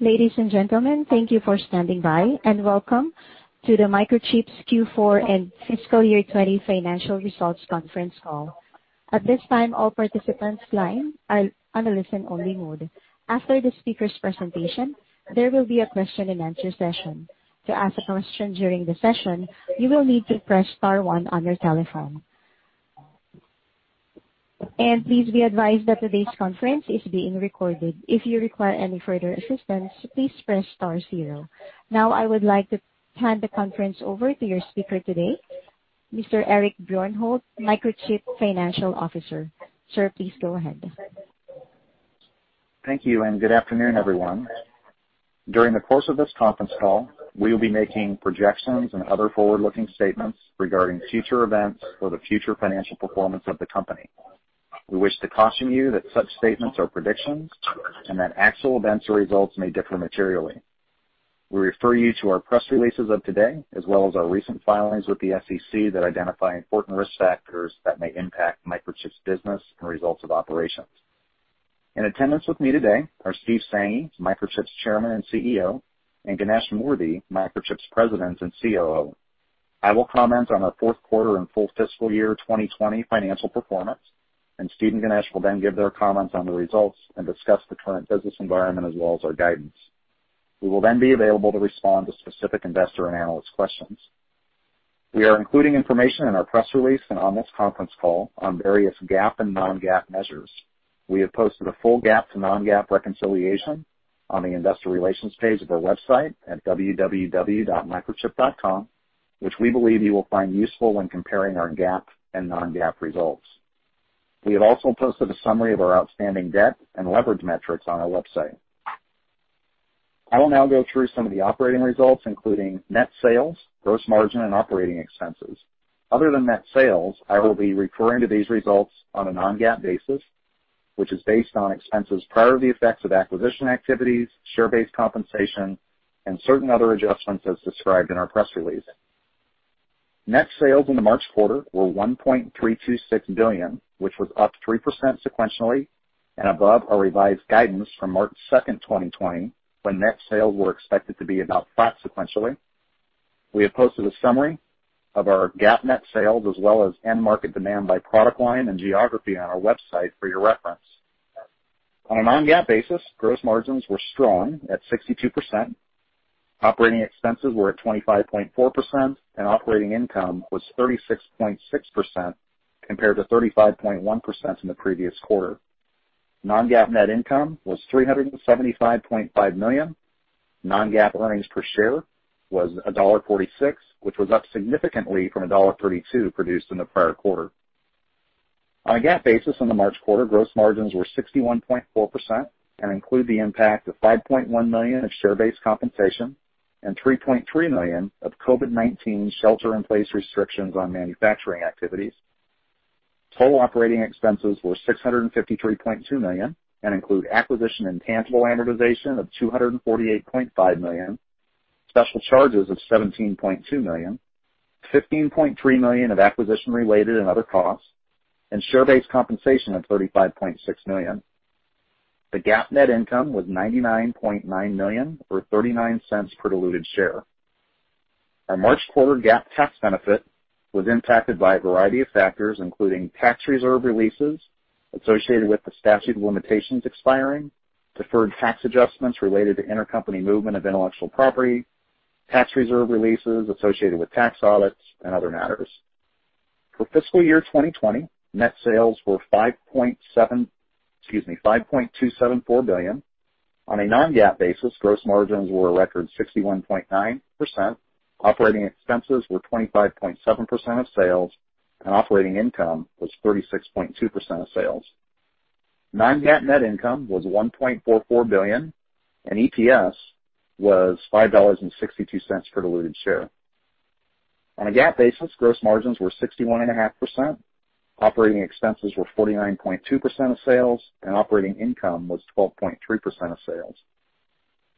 Ladies and gentlemen, thank you for standing by, and welcome to the Microchip's Q4 and fiscal year 2020 financial results conference call. At this time, all participants' lines are on a listen-only mode. After the speaker's presentation, there will be a question and answer session. To ask a question during the session, you will need to press star one on your telephone. Please be advised that today's conference is being recorded. If you require any further assistance, please press star zero. Now I would like to hand the conference over to your speaker today, Mr. Eric Bjornholt, Microchip Financial Officer. Sir, please go ahead. Thank you, and good afternoon, everyone. During the course of this conference call, we will be making projections and other forward-looking statements regarding future events or the future financial performance of the company. We wish to caution you that such statements are predictions and that actual events or results may differ materially. We refer you to our press releases of today, as well as our recent filings with the SEC that identify important risk factors that may impact Microchip's business and results of operations. In attendance with me today are Steve Sanghi, Microchip's Chairman and CEO, and Ganesh Moorthy, Microchip's President and COO. I will comment on our fourth quarter and full fiscal year 2020 financial performance, and Steve and Ganesh will then give their comments on the results and discuss the current business environment as well as our guidance. We will then be available to respond to specific investor and analyst questions. We are including information in our press release and on this conference call on various GAAP and non-GAAP measures. We have posted a full GAAP to non-GAAP reconciliation on the investor relations page of our website at www.microchip.com, which we believe you will find useful when comparing our GAAP and non-GAAP results. We have also posted a summary of our outstanding debt and leverage metrics on our website. I will now go through some of the operating results, including net sales, gross margin, and operating expenses. Other than net sales, I will be referring to these results on a non-GAAP basis, which is based on expenses prior to the effects of acquisition activities, share-based compensation, and certain other adjustments as described in our press release. Net sales in the March quarter were $1.326 billion, which was up 3% sequentially and above our revised guidance from March 2nd, 2020, when net sales were expected to be about flat sequentially. We have posted a summary of our GAAP net sales as well as end market demand by product line and geography on our website for your reference. On a non-GAAP basis, gross margins were strong at 62%. Operating expenses were at 25.4%, and operating income was 36.6% compared to 35.1% in the previous quarter. Non-GAAP net income was $375.5 million. Non-GAAP earnings per share was $1.46, which was up significantly from $1.32 produced in the prior quarter. On a GAAP basis in the March quarter, gross margins were 61.4% and include the impact of $5.1 million of share-based compensation and $3.3 million of COVID-19 shelter-in-place restrictions on manufacturing activities. Total operating expenses were $653.2 million and include acquisition intangible amortization of $248.5 million, special charges of $17.2 million, $15.3 million of acquisition-related and other costs, and share-based compensation of $35.6 million. The GAAP net income was $99.9 million or $0.39 per diluted share. Our March quarter GAAP tax benefit was impacted by a variety of factors, including tax reserve releases associated with the statute of limitations expiring, deferred tax adjustments related to intercompany movement of intellectual property, tax reserve releases associated with tax audits, and other matters. For fiscal year 2020, net sales were $5.274 billion. On a non-GAAP basis, gross margins were a record 61.9%, operating expenses were 25.7% of sales, and operating income was 36.2% of sales. Non-GAAP net income was $1.44 billion, and EPS was $5.62 per diluted share. On a GAAP basis, gross margins were 61.5%, operating expenses were 49.2% of sales, and operating income was 12.3% of sales.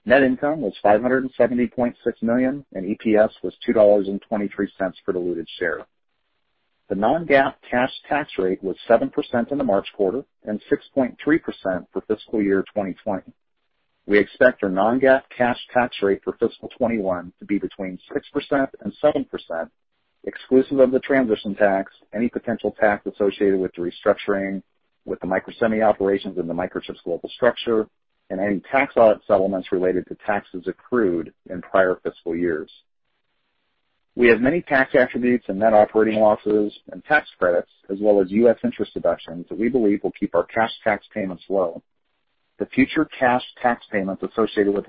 Net income was $570.6 million, and EPS was $2.23 per diluted share. The non-GAAP cash tax rate was 7% in the March quarter and 6.3% for fiscal year 2020. We expect our non-GAAP cash tax rate for fiscal year 2021 to be between 6% and 7%, exclusive of the transition tax, any potential tax associated with the restructuring with the Microsemi operations in the Microchip's global structure, and any tax audit settlements related to taxes accrued in prior fiscal years. We have many tax attributes and net operating losses and tax credits, as well as U.S. interest deductions, that we believe will keep our cash tax payments low. The future cash tax payments associated with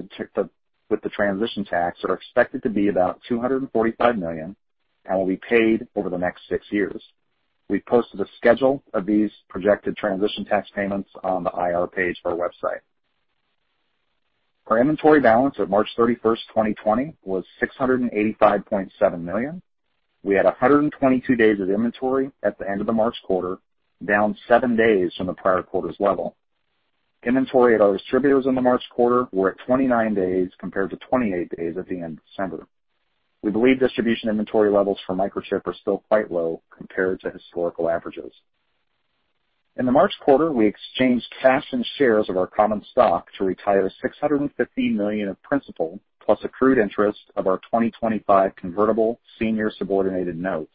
the transition tax are expected to be about $245 million and will be paid over the next six years. We've posted a schedule of these projected transition tax payments on the IR page of our website. Our inventory balance at March 31st, 2020, was $685.7 million. We had 122 days of inventory at the end of the March quarter, down seven days from the prior quarter's level. Inventory at our distributors in the March quarter were at 29 days compared to 28 days at the end of December. We believe distribution inventory levels for Microchip are still quite low compared to historical averages. In the March quarter, we exchanged cash and shares of our common stock to retire $650 million of principal, plus accrued interest of our 2025 convertible senior subordinated notes.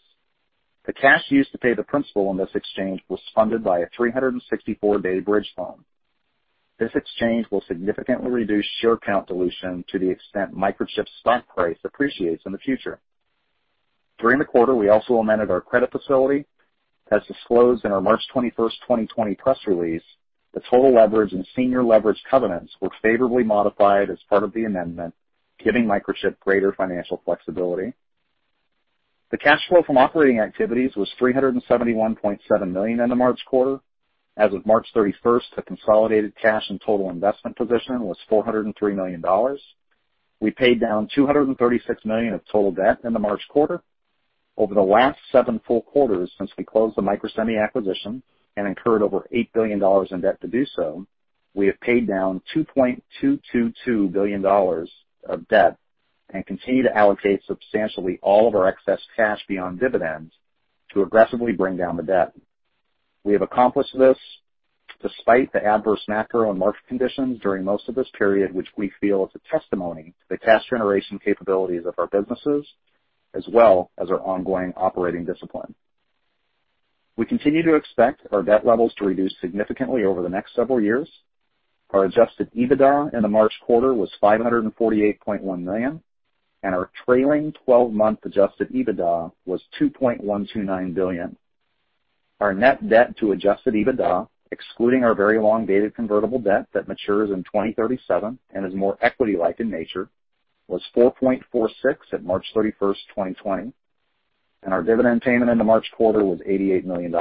The cash used to pay the principal on this exchange was funded by a 364 day bridge loan. This exchange will significantly reduce share count dilution to the extent Microchip's stock price appreciates in the future. During the quarter, we also amended our credit facility. As disclosed in our March 21st, 2020 press release, the total leverage and senior leverage covenants were favorably modified as part of the amendment, giving Microchip greater financial flexibility. The cash flow from operating activities was $371.7 million in the March quarter. As of March 31st, the consolidated cash and total investment position was $403 million. We paid down $236 million of total debt in the March quarter. Over the last seven full quarters since we closed the Microsemi acquisition and incurred over $8 billion in debt to do so, we have paid down $2.222 billion of debt and continue to allocate substantially all of our excess cash beyond dividends to aggressively bring down the debt. We have accomplished this despite the adverse macro and market conditions during most of this period, which we feel is a testimony to the cash generation capabilities of our businesses, as well as our ongoing operating discipline. We continue to expect our debt levels to reduce significantly over the next several years. Our adjusted EBITDA in the March quarter was $548.1 million, and our trailing 12-month adjusted EBITDA was $2.129 billion. Our net debt to adjusted EBITDA, excluding our very long-dated convertible debt that matures in 2037 and is more equity-like in nature, was $4.46 at March 31st, 2020, and our dividend payment in the March quarter was $88 million.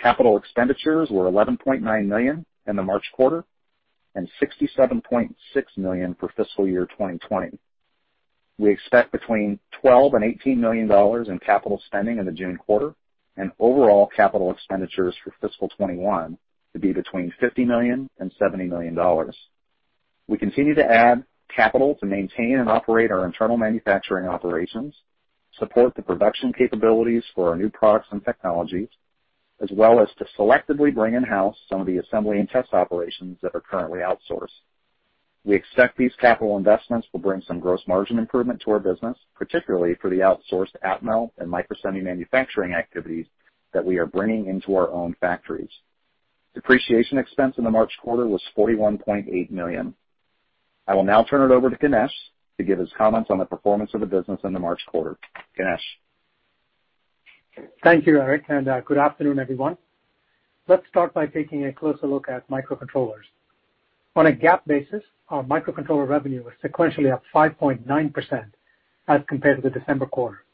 Capital expenditures were $11.9 million in the March quarter and $67.6 million for fiscal year 2020. We expect between $12 million and $18 million in capital spending in the June quarter and overall capital expenditures for fiscal 2021 to be between $50 million and $70 million. We continue to add capital to maintain and operate our internal manufacturing operations, support the production capabilities for our new products and technologies, as well as to selectively bring in-house some of the assembly and test operations that are currently outsourced. We expect these capital investments will bring some gross margin improvement to our business, particularly for the outsourced Atmel and Microsemi manufacturing activities that we are bringing into our own factories. Depreciation expense in the March quarter was $41.8 million. I will now turn it over to Ganesh to give his comments on the performance of the business in the March quarter. Ganesh? Thank you, Eric, and good afternoon, everyone. Let's start by taking a closer look at microcontrollers. On a GAAP basis, our microcontroller revenue was sequentially up 5.9% as compared to the December quarter.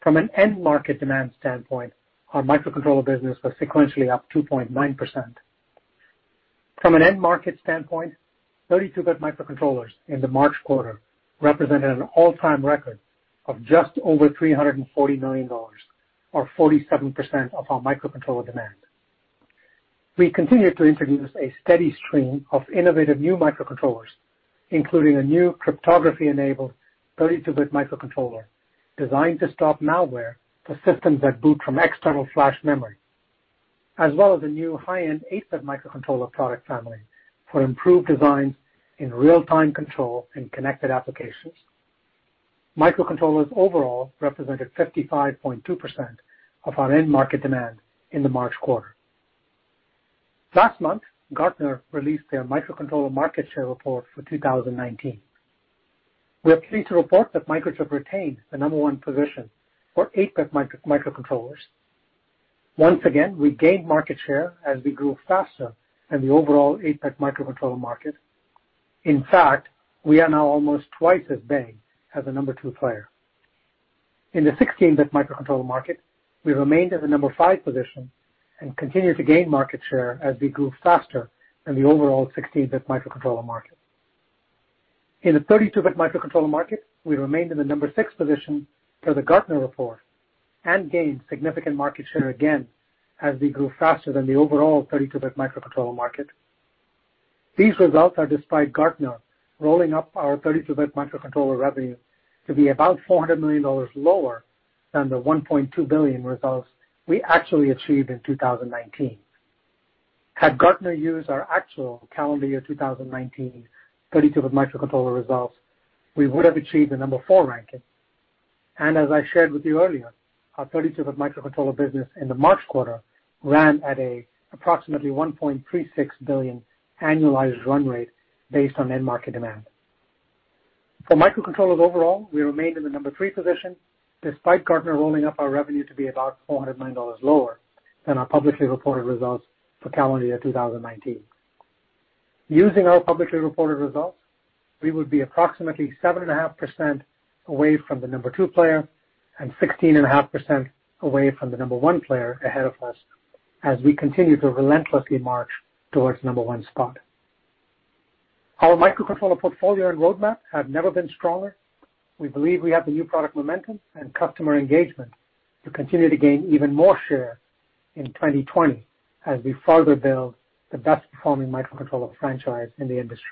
From an end market demand standpoint, our microcontroller business was sequentially up 2.9%. From an end market standpoint, 32-bit microcontrollers in the March quarter represented an all-time record of just over $340 million, or 47% of our microcontroller demand. We continue to introduce a steady stream of innovative new microcontrollers, including a new cryptography-enabled 32-bit microcontroller designed to stop malware for systems that boot from external flash memory, as well as a new high-end 8-bit microcontroller product family for improved designs in real-time control and connected applications. Microcontrollers overall represented 55.2% of our end market demand in the March quarter. Last month, Gartner released their microcontroller market share report for 2019. We are pleased to report that Microchip retains the number one position for 8-bit microcontrollers. Once again, we gained market share as we grew faster than the overall 8-bit microcontroller market. In fact, we are now almost twice as big as the number two player. In the 16-bit microcontroller market, we remained in the number five position and continued to gain market share as we grew faster than the overall 16-bit microcontroller market. In the 32-bit microcontroller market, we remained in the number six position per the Gartner report and gained significant market share again as we grew faster than the overall 32-bit microcontroller market. These results are despite Gartner rolling up our 32-bit microcontroller revenue to be about $400 million lower than the $1.2 billion results we actually achieved in 2019. Had Gartner used our actual calendar year 2019 32-bit microcontroller results, we would have achieved the number four ranking. As I shared with you earlier, our 32-bit microcontroller business in the March quarter ran at approximately a $1.36 billion annualized run rate based on end market demand. For microcontrollers overall, we remained in the number three position, despite Gartner rolling up our revenue to be about $400 million lower than our publicly reported results for calendar year 2019. Using our publicly reported results, we would be approximately 7.5% away from the number two player and 16.5% away from the number one player ahead of us, as we continue to relentlessly march towards number one spot. Our microcontroller portfolio and roadmap have never been stronger. We believe we have the new product momentum and customer engagement to continue to gain even more share in 2020 as we further build the best performing microcontroller franchise in the industry.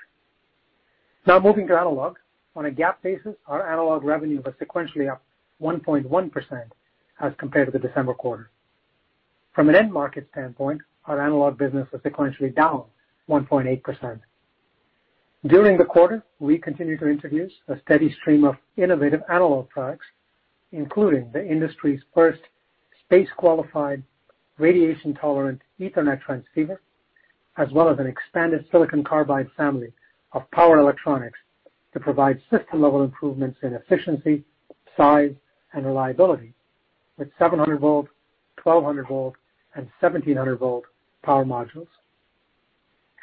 Moving to analog on a GAAP basis, our analog revenue was sequentially up 1.1% as compared to the December quarter. From an end market standpoint, our analog business was sequentially down 1.8%. During the quarter, we continued to introduce a steady stream of innovative analog products, including the industry's first space-qualified, radiation-tolerant Ethernet transceiver, as well as an expanded silicon carbide family of power electronics to provide system-level improvements in efficiency, size, and reliability, with 700V, 1,200V, and 1,700V power modules.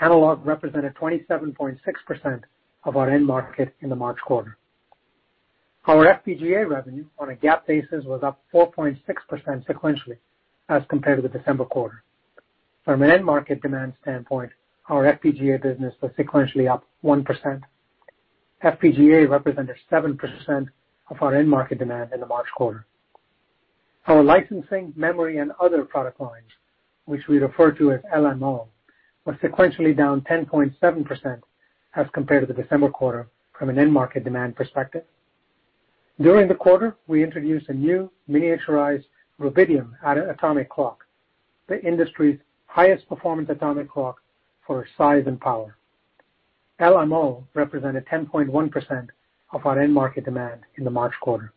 Analog represented 27.6% of our end market in the March quarter. Our FPGA revenue on a GAAP basis was up 4.6% sequentially as compared to the December quarter. From an end market demand standpoint, our FPGA business was sequentially up 1%. FPGA represented 7% of our end market demand in the March quarter. Our licensing, memory, and other product lines, which we refer to as LMO, were sequentially down 10.7% as compared to the December quarter from an end market demand perspective. During the quarter, we introduced a new miniaturized rubidium atomic clock, the industry's highest performance atomic clock for size and power. LMO represented 10.1% of our end market demand in the March quarter.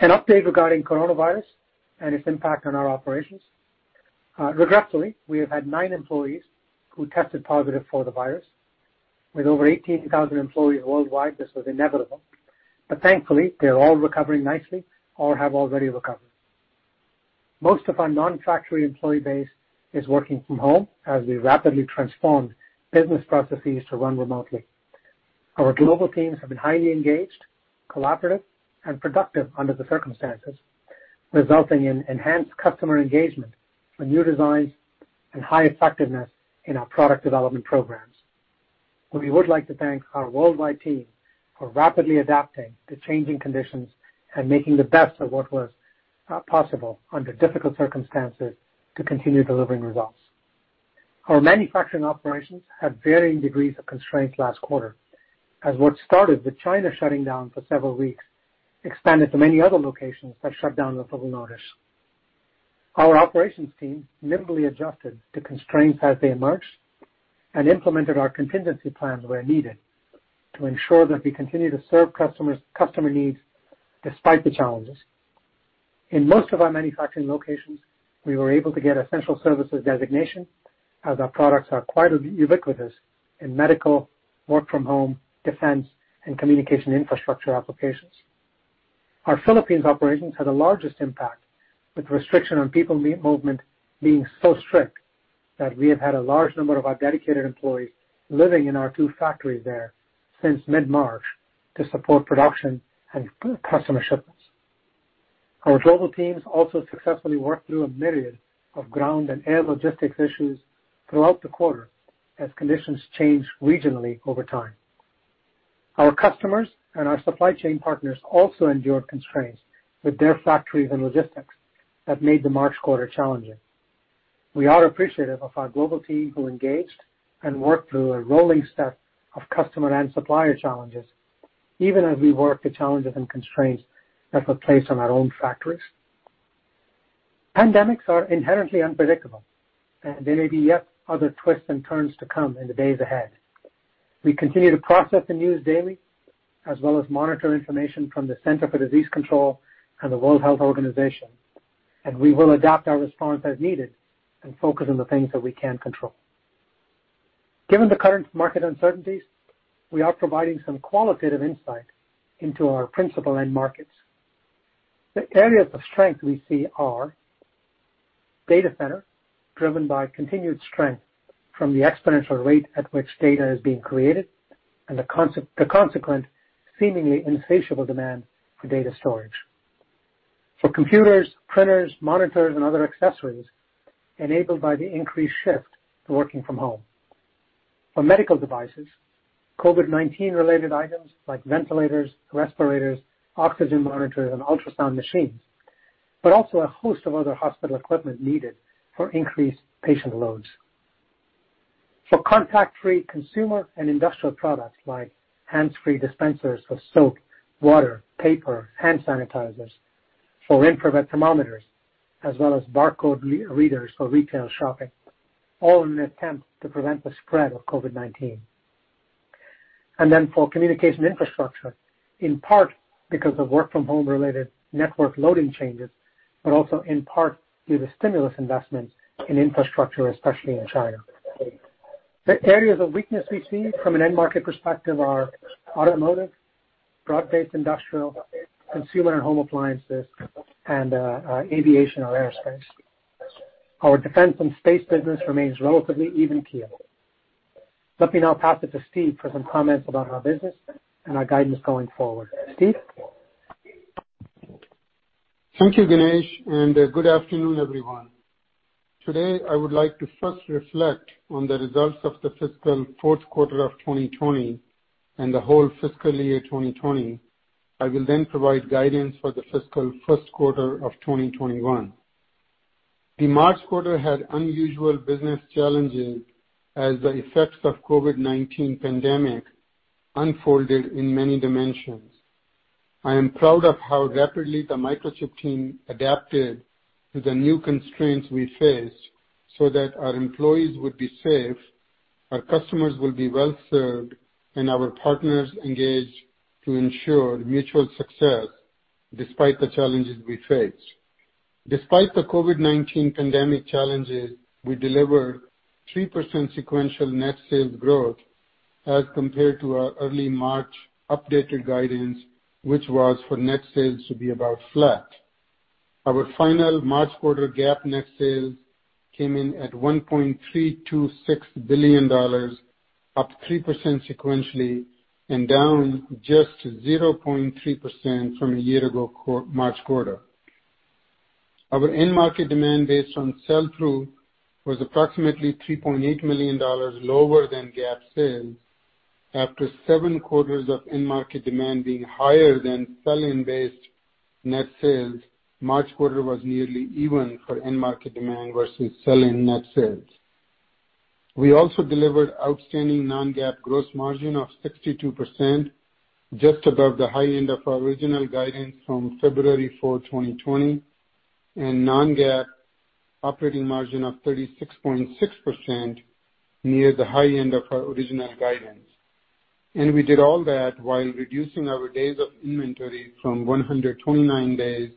An update regarding coronavirus and its impact on our operations. Regretfully, we have had nine employees who tested positive for the virus. With over 18,000 employees worldwide, this was inevitable. Thankfully, they're all recovering nicely or have already recovered. Most of our non-factory employee base is working from home as we rapidly transform business processes to run remotely. Our global teams have been highly engaged, collaborative, and productive under the circumstances, resulting in enhanced customer engagement for new designs and high effectiveness in our product development programs. We would like to thank our worldwide team for rapidly adapting to changing conditions and making the best of what was possible under difficult circumstances to continue delivering results. Our manufacturing operations had varying degrees of constraints last quarter, as what started with China shutting down for several weeks expanded to many other locations that shut down with little notice. Our operations team nimbly adjusted to constraints as they emerged and implemented our contingency plans where needed to ensure that we continue to serve customer needs despite the challenges. In most of our manufacturing locations, we were able to get essential services designation, as our products are quite ubiquitous in medical, work-from-home, defense, and communication infrastructure applications. Our Philippines operations had the largest impact, with restriction on people movement being so strict that we have had a large number of our dedicated employees living in our two factories there since mid-March to support production and customer shipments. Our global teams also successfully worked through a myriad of ground and air logistics issues throughout the quarter as conditions changed regionally over time. Our customers and our supply chain partners also endured constraints with their factories and logistics that made the March quarter challenging. We are appreciative of our global team who engaged and worked through a rolling set of customer and supplier challenges, even as we worked the challenges and constraints that were placed on our own factories. Pandemics are inherently unpredictable, and there may be yet other twists and turns to come in the days ahead. We continue to process the news daily, as well as monitor information from the Centers for Disease Control and Prevention and the World Health Organization, and we will adapt our response as needed and focus on the things that we can control. Given the current market uncertainties, we are providing some qualitative insight into our principal end markets. The areas of strength we see are data center, driven by continued strength from the exponential rate at which data is being created, and the consequent seemingly insatiable demand for data storage. For computers, printers, monitors, and other accessories, enabled by the increased shift to working from home. For medical devices, COVID-19 related items like ventilators, respirators, oxygen monitors, and ultrasound machines, but also a host of other hospital equipment needed for increased patient loads. For contact-free consumer and industrial products like hands-free dispensers of soap, water, paper, hand sanitizers, for infrared thermometers, as well as barcode readers for retail shopping, all in an attempt to prevent the spread of COVID-19. For communication infrastructure, in part because of work-from-home related network loading changes, but also in part due to stimulus investments in infrastructure, especially in China. The areas of weakness we see from an end market perspective are automotive, broad-based industrial, consumer and home appliances, and aviation or aerospace. Our defense and space business remains relatively even keel. Let me now pass it to Steve for some comments about our business and our guidance going forward. Steve? Thank you, Ganesh, and good afternoon, everyone. Today, I would like to first reflect on the results of the fiscal fourth quarter of 2020 and the whole fiscal year 2020. I will then provide guidance for the fiscal first quarter of 2021. The March quarter had unusual business challenges as the effects of COVID-19 pandemic unfolded in many dimensions. I am proud of how rapidly the Microchip team adapted to the new constraints we faced so that our employees would be safe, our customers will be well-served, and our partners engaged to ensure mutual success despite the challenges we faced. Despite the COVID-19 pandemic challenges, we delivered 3% sequential net sales growth as compared to our early March updated guidance, which was for net sales to be about flat. Our final March quarter GAAP net sales came in at $1.326 billion, up 3% sequentially, and down just 0.3% from a year ago March quarter. Our end market demand based on sell-through was approximately $3.8 million lower than GAAP sales. After seven quarters of end market demand being higher than sell-in based net sales, March quarter was nearly even for end market demand versus sell-in net sales. We also delivered outstanding non-GAAP gross margin of 62%, just above the high end of our original guidance from February 4, 2020, and non-GAAP operating margin of 36.6%, near the high end of our original guidance. We did all that while reducing our days of inventory from 129 days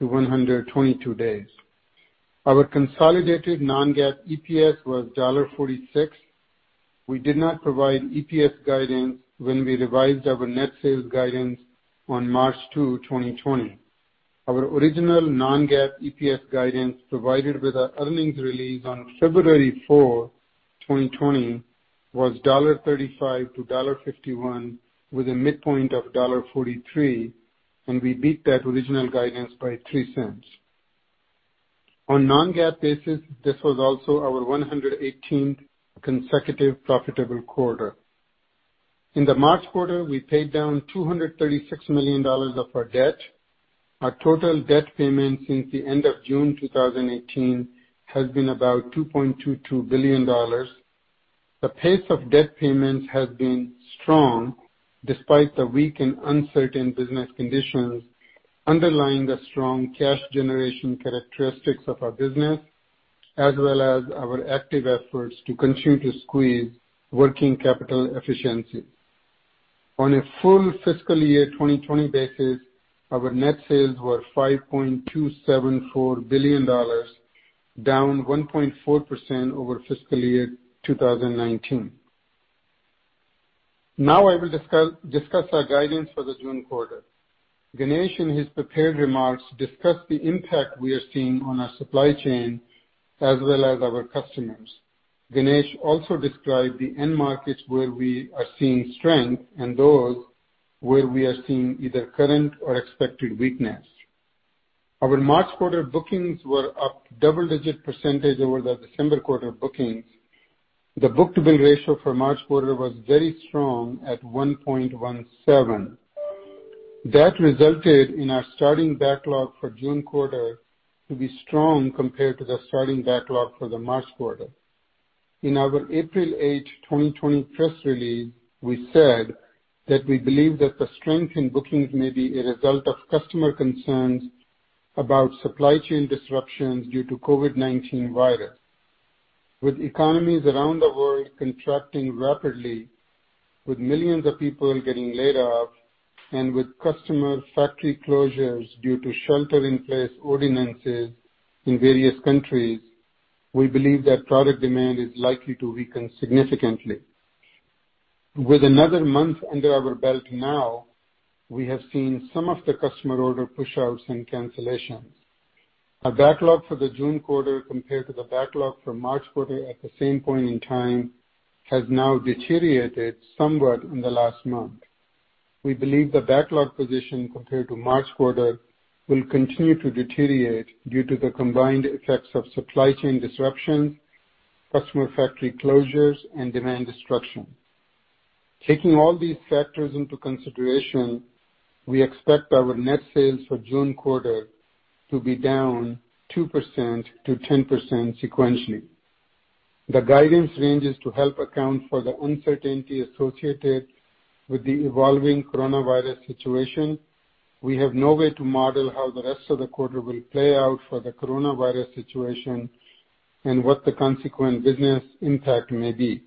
to 122 days. Our consolidated non-GAAP EPS was $1.46. We did not provide EPS guidance when we revised our net sales guidance on March 2, 2020. Our original non-GAAP EPS guidance, provided with our earnings release on February 4, 2020, was $1.35-$1.51, with a midpoint of $1.43, and we beat that original guidance by $0.03. On non-GAAP basis, this was also our 118th consecutive profitable quarter. In the March quarter, we paid down $236 million of our debt. Our total debt payment since the end of June 2018 has been about $2.22 billion. The pace of debt payments has been strong despite the weak and uncertain business conditions, underlying the strong cash generation characteristics of our business, as well as our active efforts to continue to squeeze working capital efficiency. On a full fiscal year 2020 basis, our net sales were $5.274 billion, down 1.4% over fiscal year 2019. Now I will discuss our guidance for the June quarter. Ganesh, in his prepared remarks, discussed the impact we are seeing on our supply chain as well as our customers. Ganesh also described the end markets where we are seeing strength and those where we are seeing either current or expected weakness. Our March quarter bookings were up double-digit percentage over the December quarter bookings. The book-to-bill ratio for March quarter was very strong at 1.17%. That resulted in our starting backlog for June quarter to be strong compared to the starting backlog for the March quarter. In our April 8, 2020, press release, we said that we believe that the strength in bookings may be a result of customer concerns about supply chain disruptions due to COVID-19. With economies around the world contracting rapidly, with millions of people getting laid off, and with customer factory closures due to shelter-in-place ordinances in various countries, we believe that product demand is likely to weaken significantly. With another month under our belt now, we have seen some of the customer order pushouts and cancellations. Our backlog for the June quarter compared to the backlog for March quarter at the same point in time has now deteriorated somewhat in the last month. We believe the backlog position compared to March quarter will continue to deteriorate due to the combined effects of supply chain disruptions, customer factory closures, and demand destruction. Taking all these factors into consideration, we expect our net sales for June quarter to be down 2%-10% sequentially. The guidance range is to help account for the uncertainty associated with the evolving coronavirus situation. We have no way to model how the rest of the quarter will play out for the coronavirus situation and what the consequent business impact may be.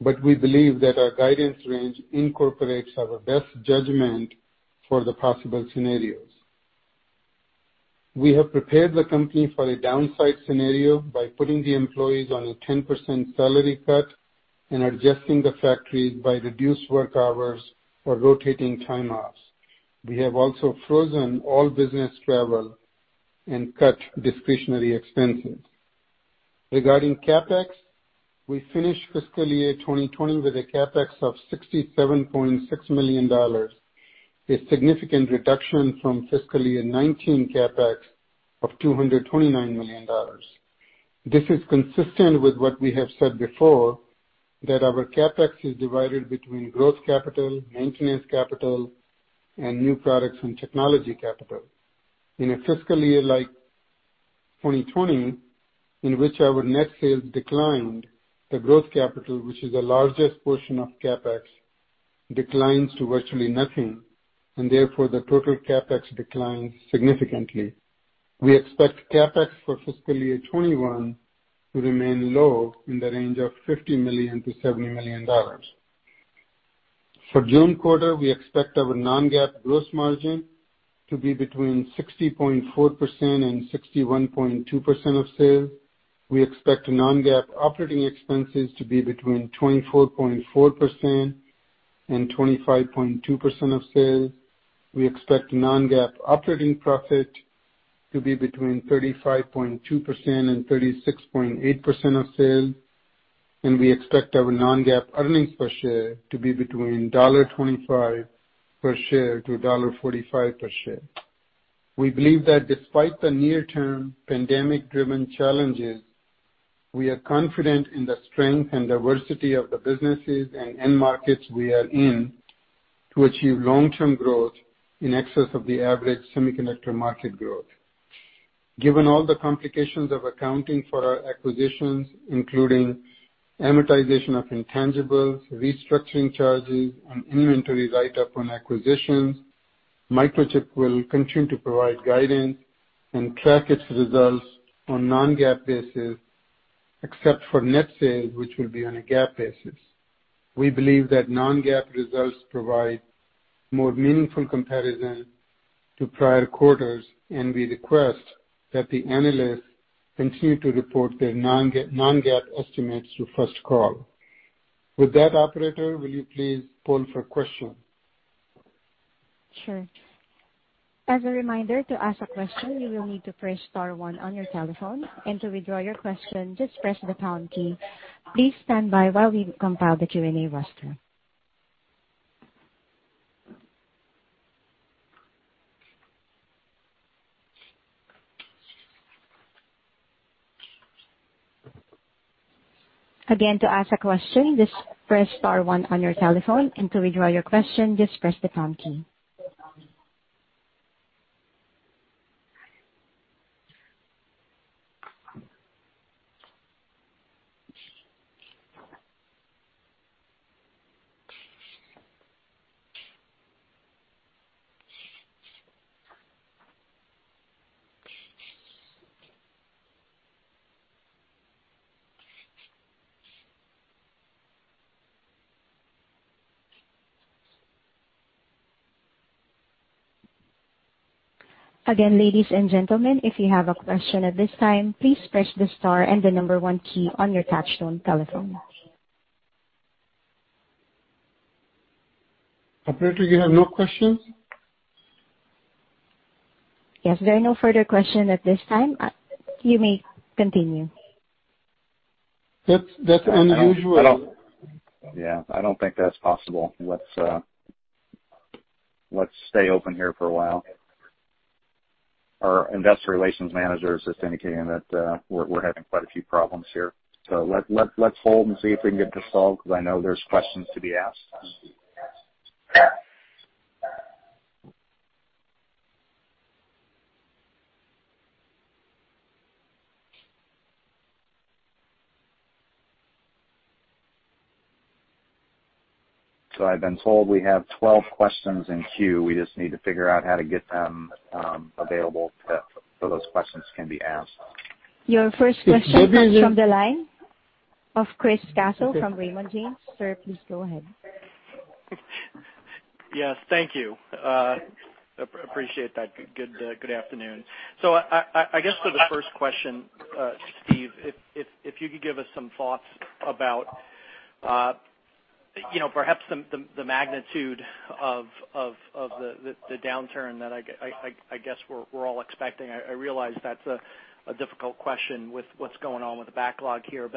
We believe that our guidance range incorporates our best judgment for the possible scenarios. We have prepared the company for a downside scenario by putting the employees on a 10% salary cut and adjusting the factories by reduced work hours or rotating time offs. We have also frozen all business travel and cut discretionary expenses. Regarding CapEx, we finished fiscal year 2020 with a CapEx of $67.6 million, a significant reduction from fiscal year 2019 CapEx of $229 million. This is consistent with what we have said before, that our CapEx is divided between growth capital, maintenance capital, and new products and technology capital. In a fiscal year like 2020, in which our net sales declined, the growth capital, which is the largest portion of CapEx, declines to virtually nothing, and therefore, the total CapEx declines significantly. We expect CapEx for fiscal year 2021 to remain low, in the range of $50 million-$70 million. For June quarter, we expect our non-GAAP gross margin to be between 60.4% and 61.2% of sales. We expect non-GAAP operating expenses to be between 24.4% and 25.2% of sales. We expect non-GAAP operating profit to be between 35.2% and 36.8% of sales, and we expect our non-GAAP earnings per share to be between $1.25 per share to $1.45 per share. We believe that despite the near-term pandemic-driven challenges, we are confident in the strength and diversity of the businesses and end markets we are in to achieve long-term growth in excess of the average semiconductor market growth. Given all the complications of accounting for our acquisitions, including amortization of intangibles, restructuring charges, and inventory write-up on acquisitions, Microchip will continue to provide guidance and track its results on non-GAAP basis, except for net sales, which will be on a GAAP basis. We believe that non-GAAP results provide more meaningful comparison to prior quarters, and we request that the analysts continue to report their non-GAAP estimates through First Call. With that, operator, will you please poll for questions? Sure. As a reminder, to ask a question, you will need to press star one on your telephone, and to withdraw your question, just press the pound key. Please stand by while we compile the Q&A roster. To ask a question, just press star one on your telephone, and to withdraw your question, just press the pound key. Ladies and gentlemen, if you have a question at this time, please press the star and the number one key on your touchtone telephone. Operator, you have no questions? Yes. There are no further question at this time. You may continue. That's unusual. Yeah, I don't think that's possible. Let's stay open here for a while. Our investor relations manager is just indicating that we're having quite a few problems here. Let's hold and see if we can get this solved, because I know there's questions to be asked. I've been told we have 12 questions in queue. We just need to figure out how to get them available so those questions can be asked. Your first question. Yes, good news is. Is from the line of Chris Caso from Raymond James. Sir, please go ahead. Yes. Thank you. Appreciate that. Good afternoon. I guess for the first question, Steve, if you could give us some thoughts about perhaps the magnitude of the downturn that I guess we're all expecting. I realize that's a difficult question with what's going on with the backlog here.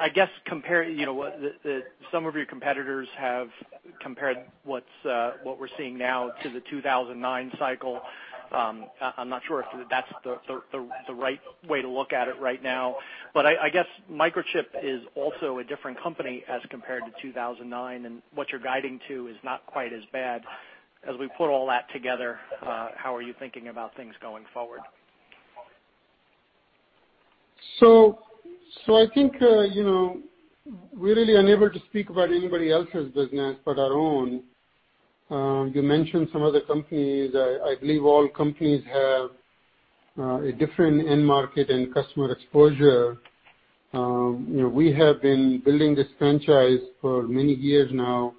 I guess, some of your competitors have compared what we're seeing now to the 2009 cycle. I'm not sure if that's the right way to look at it right now, but I guess Microchip is also a different company as compared to 2009, and what you're guiding to is not quite as bad. As we put all that together, how are you thinking about things going forward? I think, we really are never to speak about anybody else's business but our own. You mentioned some other companies. I believe all companies have a different end market and customer exposure. We have been building this franchise for many years now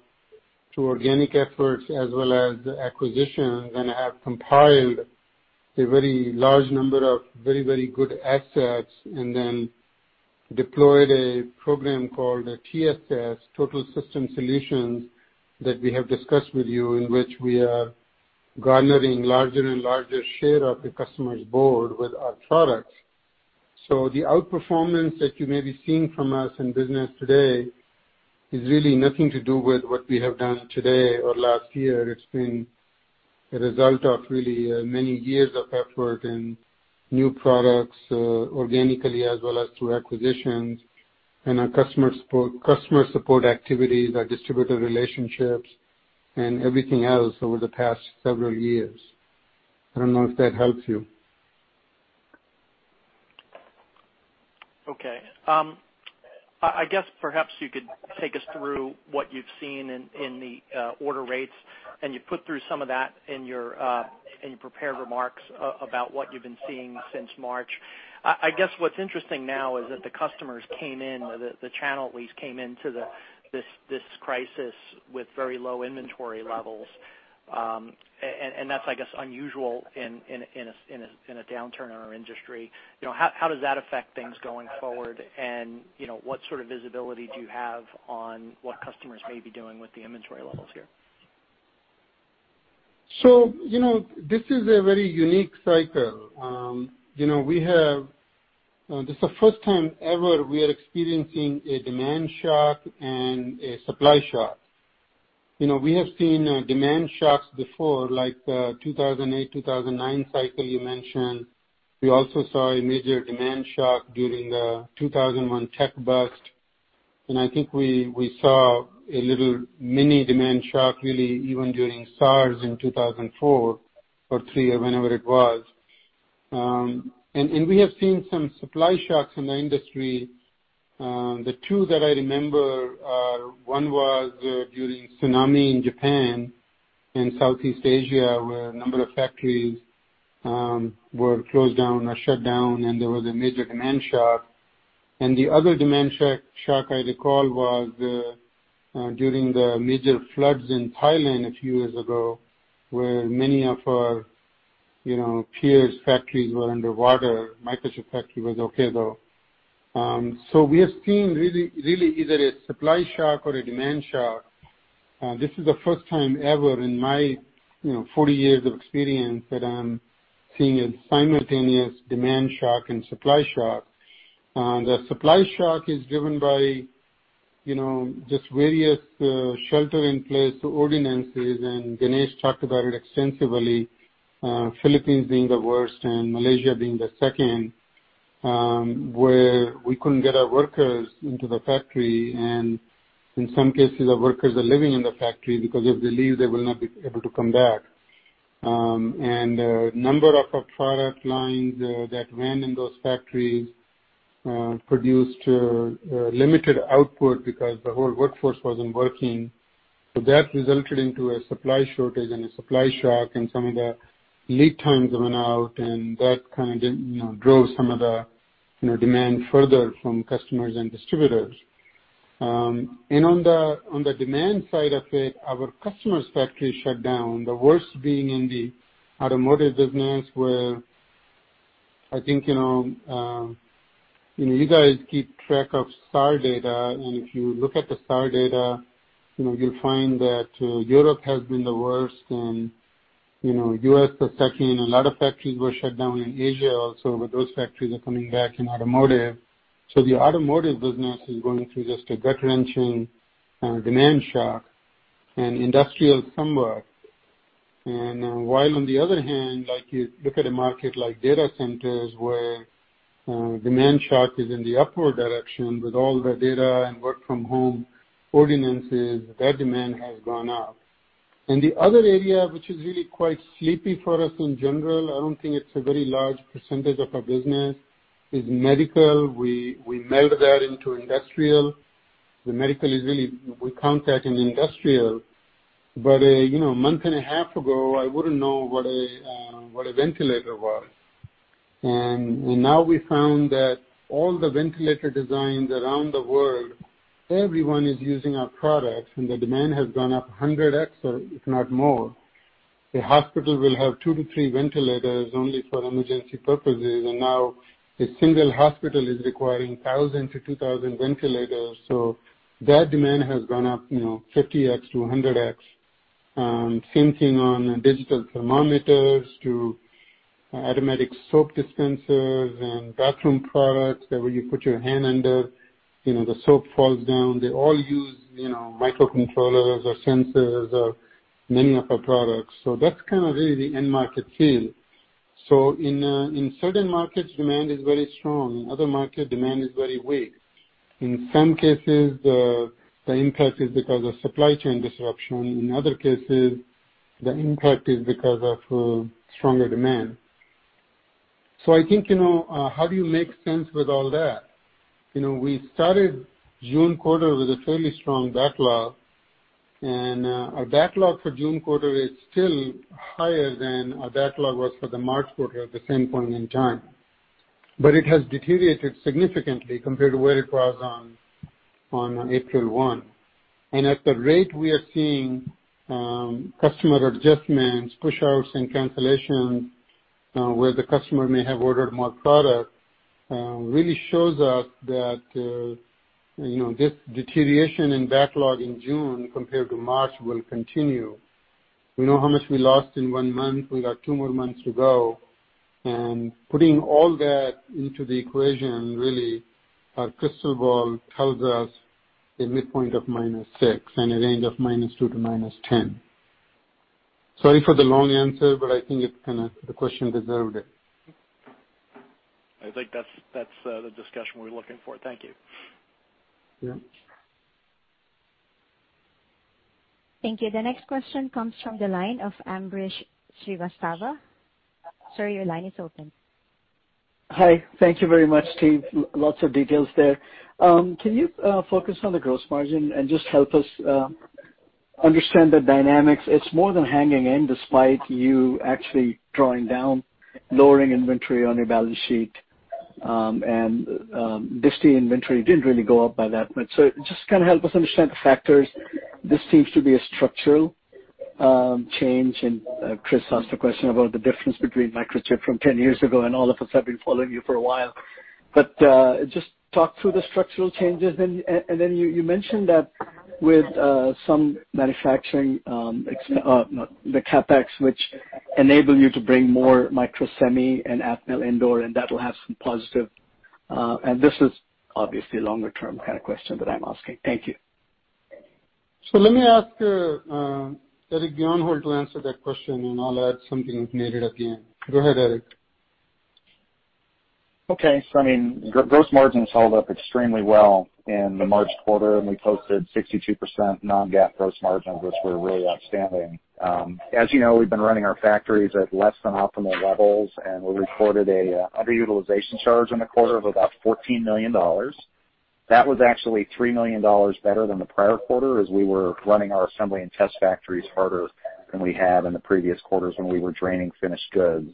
through organic efforts as well as acquisitions, and have compiled a very large number of very good assets, and then deployed a program called TSS, Total System Solutions, that we have discussed with you, in which we are garnering larger and larger share of the customer's board with our products. The outperformance that you may be seeing from us in business today is really nothing to do with what we have done today or last year. It's been a result of really many years of effort and new products, organically as well as through acquisitions, and our customer support activities, our distributor relationships, and everything else over the past several years. I don't know if that helps you. Okay. I guess perhaps you could take us through what you've seen in the order rates. You put through some of that in your prepared remarks about what you've been seeing since March. I guess what's interesting now is that the customers came in, the channel at least came into this crisis with very low inventory levels. That's, I guess, unusual in a downturn in our industry. How does that affect things going forward, and what sort of visibility do you have on what customers may be doing with the inventory levels here? This is a very unique cycle. This is the first time ever we are experiencing a demand shock and a supply shock. We have seen demand shocks before, like the 2008-2009 cycle you mentioned. We also saw a major demand shock during the 2001 tech bust. I think we saw a little mini demand shock, really, even during SARs in 2004 or 2003, or whenever it was. We have seen some supply shocks in the industry. The two that I remember, one was during tsunami in Japan, in Southeast Asia, where a number of factories were closed down or shut down, and there was a major demand shock. The other demand shock I recall was during the major floods in Thailand a few years ago, where many of our peers' factories were underwater. Microchip factory was okay, though. We have seen really either a supply shock or a demand shock. This is the first time ever in my 40 years of experience that I'm seeing a simultaneous demand shock and supply shock. The supply shock is driven by just various shelter-in-place ordinances, and Ganesh talked about it extensively. Philippines being the worst and Malaysia being the second, where we couldn't get our workers into the factory, and in some cases, our workers are living in the factory because if they leave, they will not be able to come back. A number of our product lines that ran in those factories produced limited output because the whole workforce wasn't working. That resulted into a supply shortage and a supply shock and some of the lead times went out, and that kind of drove some of the demand further from customers and distributors. On the demand side of it, our customers' factories shut down, the worst being in the automotive business, where I think, you guys keep track of SAR data, and if you look at the SAR data, you'll find that Europe has been the worst and U.S. the second. A lot of factories were shut down in Asia also, but those factories are coming back in automotive. The automotive business is going through just a gut-wrenching demand shock, and industrial somewhat. While on the other hand, like you look at a market like data centers, where demand shock is in the upward direction with all the data and work-from-home ordinances, that demand has gone up. The other area, which is really quite sleepy for us in general, I don't think it's a very large percentage of our business, is medical. We meld that into industrial. The medical, we count that in industrial. A month and a half ago, I wouldn't know what a ventilator was. Now we found that all the ventilator designs around the world, everyone is using our products, and the demand has gone up 100x, if not more. A hospital will have two to three ventilators only for emergency purposes, and now a single hospital is requiring 1,000 to 2,000 ventilators. That demand has gone up 50x to 100x. Same thing on digital thermometers to automatic soap dispensers and bathroom products that when you put your hand under, the soap falls down. They all use microcontrollers or sensors or many of our products. That's kind of really the end market feel. In certain markets, demand is very strong. In other markets, demand is very weak. In some cases, the impact is because of supply chain disruption. In other cases, the impact is because of stronger demand. I think, how do you make sense with all that? We started June quarter with a fairly strong backlog, and our backlog for June quarter is still higher than our backlog was for the March quarter at the same point in time. It has deteriorated significantly compared to where it was on April 1. At the rate we are seeing customer adjustments, push-outs, and cancellations, where the customer may have ordered more product, really shows us that this deterioration in backlog in June compared to March will continue. We know how much we lost in one month. We got two more months to go, and putting all that into the equation, really, our crystal ball tells us a midpoint of minus six and a range of minus two to minus 10. Sorry for the long answer, but I think the question deserved it. I think that's the discussion we're looking for. Thank you. Yeah. Thank you. The next question comes from the line of Ambrish Srivastava. Sir, your line is open. Hi. Thank you very much, Steve. Lots of details there. Can you focus on the gross margin and just help us understand the dynamics? It's more than hanging in despite you actually drawing down, lowering inventory on your balance sheet, and [disti] inventory didn't really go up by that much. Just kind of help us understand the factors. This seems to be a structural change. Chris asked a question about the difference between Microchip from 10 years ago, and all of us have been following you for a while. Just talk through the structural changes. Then you mentioned that with some manufacturing, the CapEx, which enable you to bring more Microsemi and Atmel indoor, and that will have some positive. This is obviously a longer-term kind of question that I'm asking. Thank you. Let me ask Eric Bjornholt to answer that question, and I'll add something if needed at the end. Go ahead, Eric. I mean, gross margins held up extremely well in the March quarter, and we posted 62% non-GAAP gross margins, which were really outstanding. As you know, we've been running our factories at less than optimal levels, and we recorded a underutilization charge in the quarter of about $14 million. That was actually $3 million better than the prior quarter as we were running our assembly and test factories harder than we had in the previous quarters when we were draining finished goods.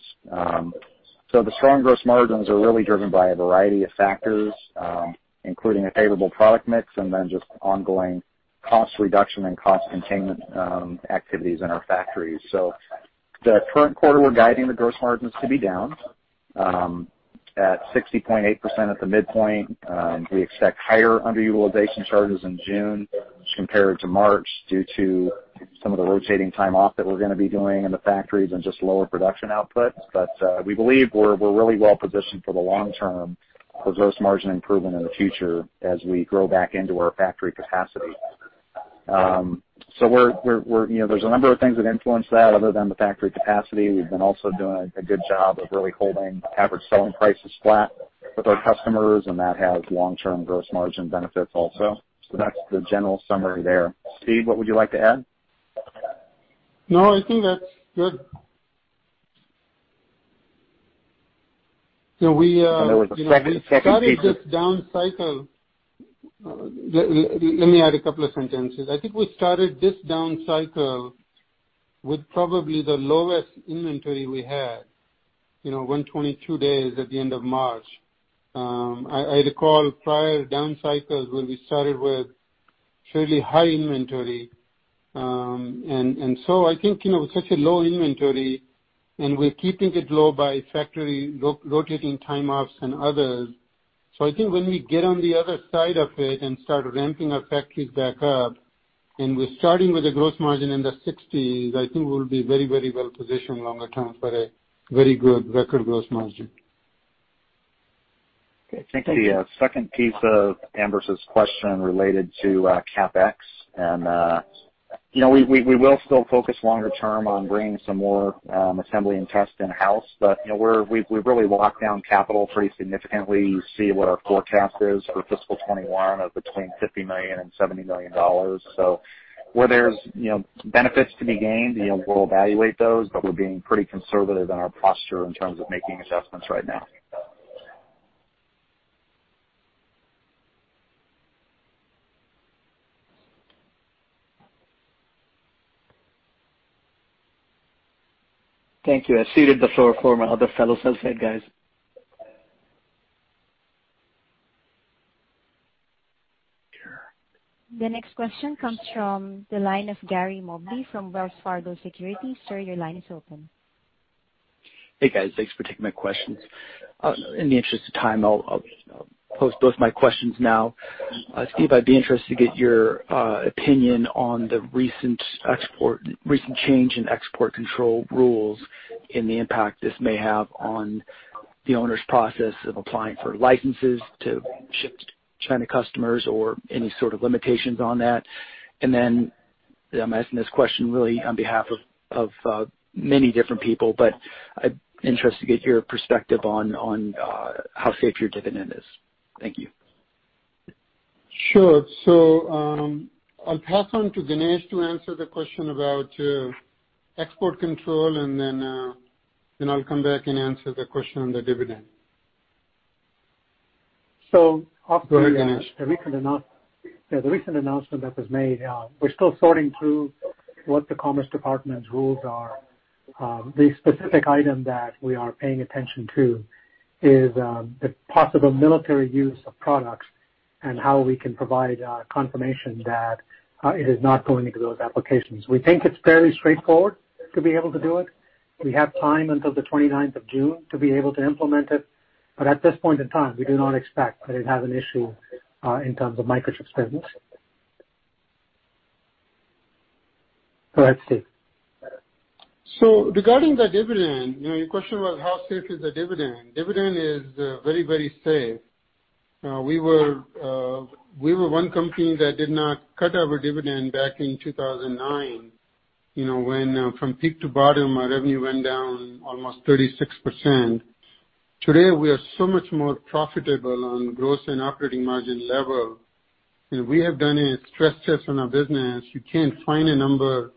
The strong gross margins are really driven by a variety of factors, including a favorable product mix and then just ongoing cost reduction and cost containment activities in our factories. The current quarter, we're guiding the gross margins to be down at 60.8% at the midpoint. We expect higher underutilization charges in June compared to March due to some of the rotating time off that we're going to be doing in the factories and just lower production output. We believe we're really well positioned for the long term for gross margin improvement in the future as we grow back into our factory capacity. There's a number of things that influence that other than the factory capacity. We've been also doing a good job of really holding average selling prices flat with our customers, and that has long-term gross margin benefits also. That's the general summary there. Steve, what would you like to add? No, I think that's good. There was a second piece. Let me add a couple of sentences. I think we started this down cycle with probably the lowest inventory we had, 122 days at the end of March. I recall prior down cycles where we started with fairly high inventory. I think, such a low inventory, and we're keeping it low by factory rotating time offs and others. I think when we get on the other side of it and start ramping our factories back up, and we're starting with a gross margin in the 60s, I think we'll be very, very well positioned longer term for a very good record gross margin. Okay, thank you. I think the second piece of Ambrish's question related to CapEx, and we will still focus longer term on bringing some more assembly and test in-house, but we've really locked down capital pretty significantly. You see what our forecast is for fiscal 2021 of between $50 million and $70 million. Where there's benefits to be gained, we'll evaluate those, but we're being pretty conservative in our posture in terms of making adjustments right now. Thank you. I ceded the floor for my other fellow sell side guys. The next question comes from the line of Gary Mobley from Wells Fargo Securities. Sir, your line is open. Hey, guys. Thanks for taking my questions. In the interest of time, I'll pose both my questions now. Steve, I'd be interested to get your opinion on the recent change in export control rules and the impact this may have on the owner's process of applying for licenses to ship to China customers or any sort of limitations on that. I'm asking this question really on behalf of many different people, but I'm interested to get your perspective on how safe your dividend is. Thank you. Sure. I'll pass on to Ganesh to answer the question about export control, and then I'll come back and answer the question on the dividend. So off- Go ahead, Ganesh. The recent announcement that was made, we're still sorting through what the Commerce Department's rules are. The specific item that we are paying attention to is the possible military use of products and how we can provide confirmation that it is not going into those applications. We think it's fairly straightforward to be able to do it. We have time until the June 29th to be able to implement it. At this point in time, we do not expect that it has an issue in terms of Microchip's business. Go ahead, Steve. Regarding the dividend, your question was how safe is the dividend. Dividend is very, very safe. We were one company that did not cut our dividend back in 2009, when from peak to bottom, our revenue went down almost 36%. Today, we are so much more profitable on gross and operating margin level, and we have done a stress test on our business. You can't find a number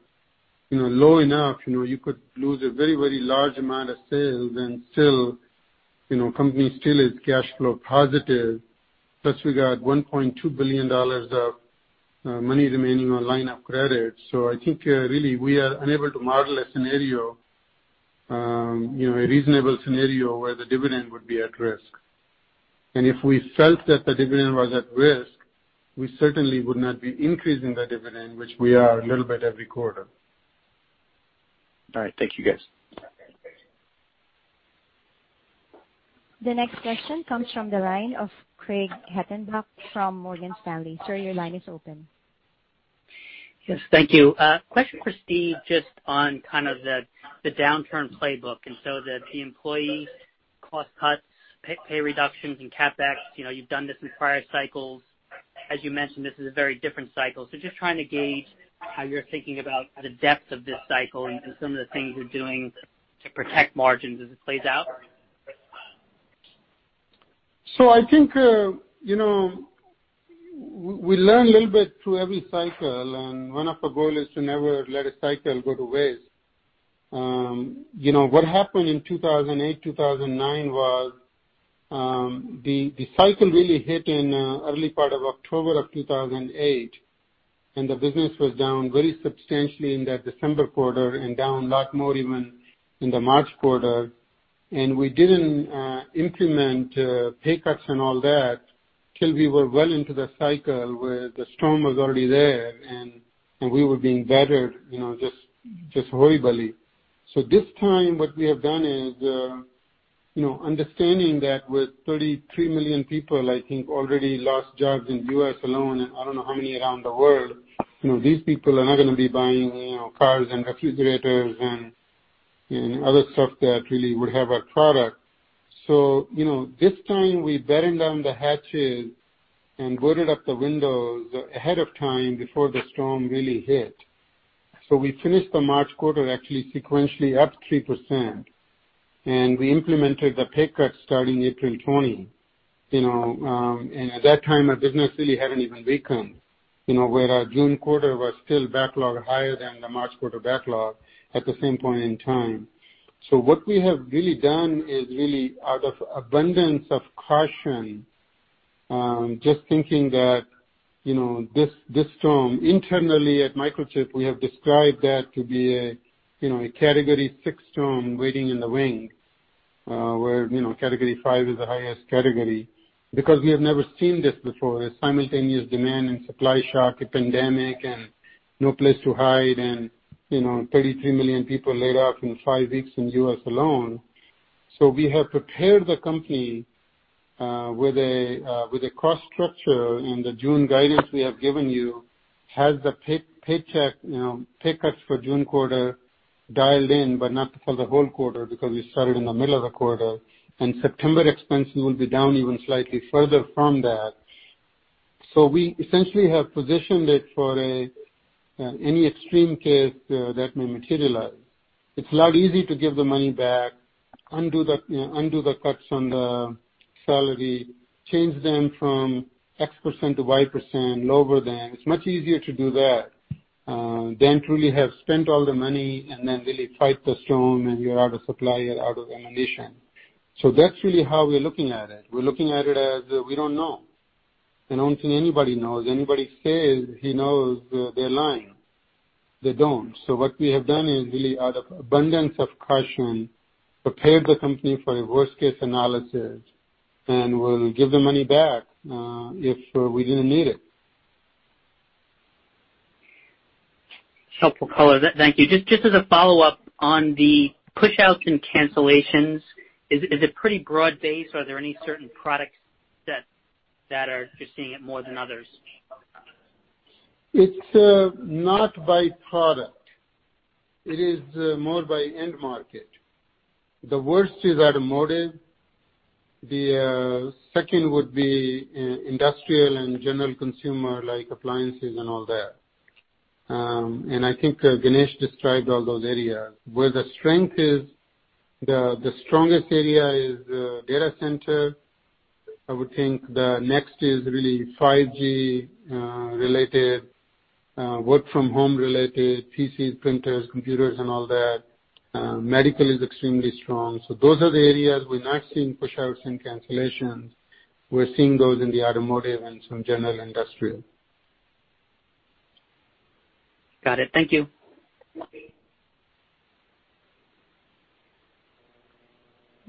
low enough. You could lose a very, very large amount of sales and still, company still is cash flow positive. Plus, we got $1.2 billion of money remaining on line of credit. I think really we are unable to model a scenario, a reasonable scenario where the dividend would be at risk. If we felt that the dividend was at risk, we certainly would not be increasing the dividend, which we are a little bit every quarter. All right. Thank you, guys. The next question comes from the line of Craig Hettenbach from Morgan Stanley. Sir, your line is open. Yes. Thank you. A question for Steve, just on kind of the downturn playbook, and so the employee cost cuts, pay reductions, and CapEx. You've done this in prior cycles. As you mentioned, this is a very different cycle. Just trying to gauge how you're thinking about the depth of this cycle and some of the things you're doing to protect margins as it plays out. I think, we learn a little bit through every cycle, and one of our goal is to never let a cycle go to waste. What happened in 2008, 2009 was, the cycle really hit in early part of October of 2008, and the business was down very substantially in that December quarter and down a lot more even in the March quarter. We didn't implement pay cuts and all that till we were well into the cycle, where the storm was already there, and we were being battered just horribly. This time, what we have done is, understanding that with 33 million people, I think, already lost jobs in U.S. alone, and I don't know how many around the world. These people are not going to be buying cars and refrigerators and other stuff that really would have our product. This time we batten down the hatches and boarded up the windows ahead of time before the storm really hit. We finished the March quarter actually sequentially up 3%, and we implemented the pay cuts starting April 20. At that time, our business really hadn't even weakened. Where our June quarter was still backlog higher than the March quarter backlog at the same point in time. What we have really done is really out of abundance of caution, just thinking that this storm internally at Microchip, we have described that to be a category six storm waiting in the wing, where category five is the highest category because we have never seen this before, a simultaneous demand and supply shock, a pandemic, and no place to hide and 33 million people laid off in five weeks in U.S. alone. We have prepared the company, with a cost structure, and the June guidance we have given you has the pay cuts for June quarter dialed in, but not for the whole quarter because we started in the middle of the quarter, and September expenses will be down even slightly further from that. We essentially have positioned it for any extreme case that may materialize. It's a lot easy to give the money back, undo the cuts on the salary, change them from X percent to Y percent, lower them. It's much easier to do that than truly have spent all the money and then really fight the storm, and you're out of supply, you're out of ammunition. That's really how we're looking at it we're looking at it as, we don't know. I don't think anybody knows. Anybody says he knows, they're lying they don't what we have done is really out of abundance of caution, prepared the company for a worst-case analysis, and we'll give the money back if we didn't need it. Helpful color. Thank you. Just as a follow-up on the push-outs and cancellations, is it pretty broad-based, or are there any certain products that you're seeing it more than others? It's not by product. It is more by end market. The worst is automotive. The second would be industrial and general consumer, like appliances and all that. I think Ganesh described all those areas. Where the strength is, the strongest area is data center. I would think the next is really 5G-related, work-from-home related, PCs, printers, computers and all that. Medical is extremely strong. Those are the areas we're not seeing push-outs and cancellations. We're seeing those in the automotive and some general industrial. Got it. Thank you.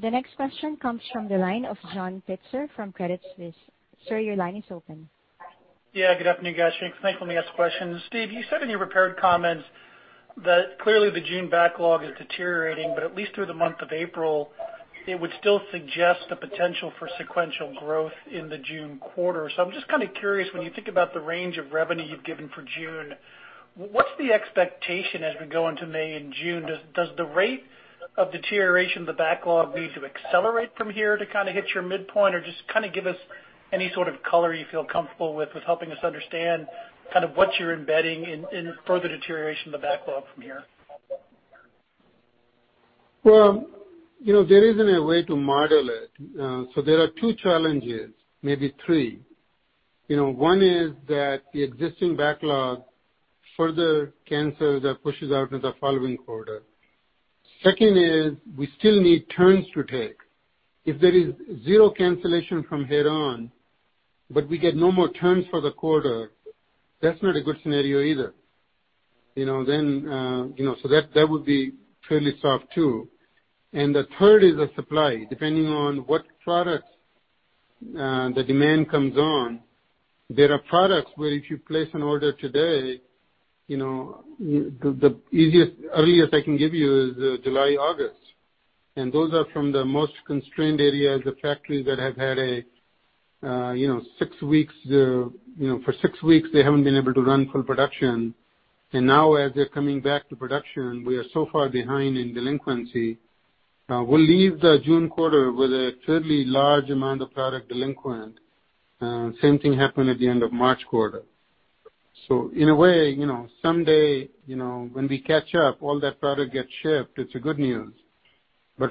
The next question comes from the line of John Pitzer from Credit Suisse. Sir, your line is open. Good afternoon, guys. Thanks for letting me ask questions. Steve, you said in your prepared comments that clearly the June backlog is deteriorating, but at least through the month of April, it would still suggest the potential for sequential growth in the June quarter. I'm just kind of curious, when you think about the range of revenue you've given for June, what's the expectation as we go into May and June? Does the rate of deterioration of the backlog need to accelerate from here to kind of hit your midpoint? Just kind of give us any sort of color you feel comfortable with helping us understand kind of what you're embedding in further deterioration of the backlog from here. Well, there isn't a way to model it. There are two challenges, maybe three. One is that the existing backlog further cancels or pushes out into the following quarter. Second is we still need turns to take if there is zero cancellation from head on, but we get no more turns for the quarter, that's not a good scenario either. That would be fairly soft, too. The third is the supply. Depending on what products the demand comes on, there are products where if you place an order today, the earliest I can give you is July, August. Those are from the most constrained areas, the factories that for six weeks, they haven't been able to run full production. Now, as they're coming back to production, we are so far behind in delinquency. We'll leave the June quarter with a fairly large amount of product delinquent. Same thing happened at the end of March quarter. In a way, someday, when we catch up, all that product gets shipped, it's a good news.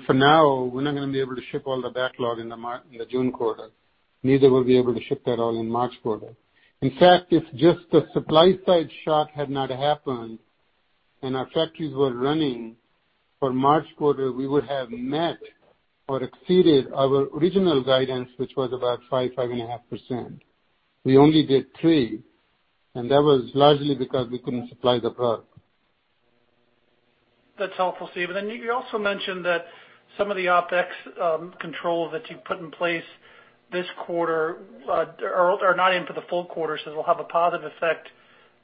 For now, we're not going to be able to ship all the backlog in the June quarter. Neither were we able to ship that all in March quarter. In fact, if just the supply side shock had not happened and our factories were running for March quarter, we would have met or exceeded our original guidance, which was about 5%, 5.5%. We only did 3%, and that was largely because we couldn't supply the product. That's helpful, Steve. Then you also mentioned that some of the OpEx control that you've put in place this quarter are not in for the full quarter, so it will have a positive effect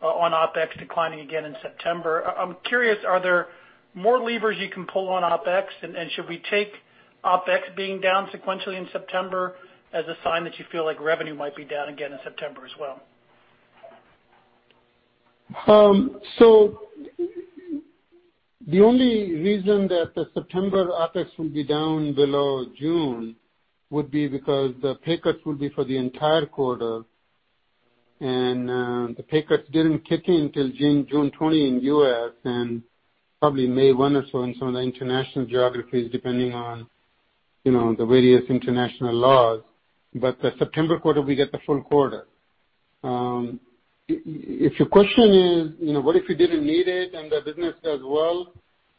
on OpEx declining again in September. I'm curious, are there more levers you can pull on OpEx? Should we take OpEx being down sequentially in September as a sign that you feel like revenue might be down again in September as well? The only reason that the September OpEx will be down below June would be because the pay cuts would be for the entire quarter. The pay cuts didn't kick in till June 20 in U.S., and probably May 1 or so in some of the international geographies, depending on the various international laws. The September quarter, we get the full quarter. If your question is, what if we didn't need it and the business does well,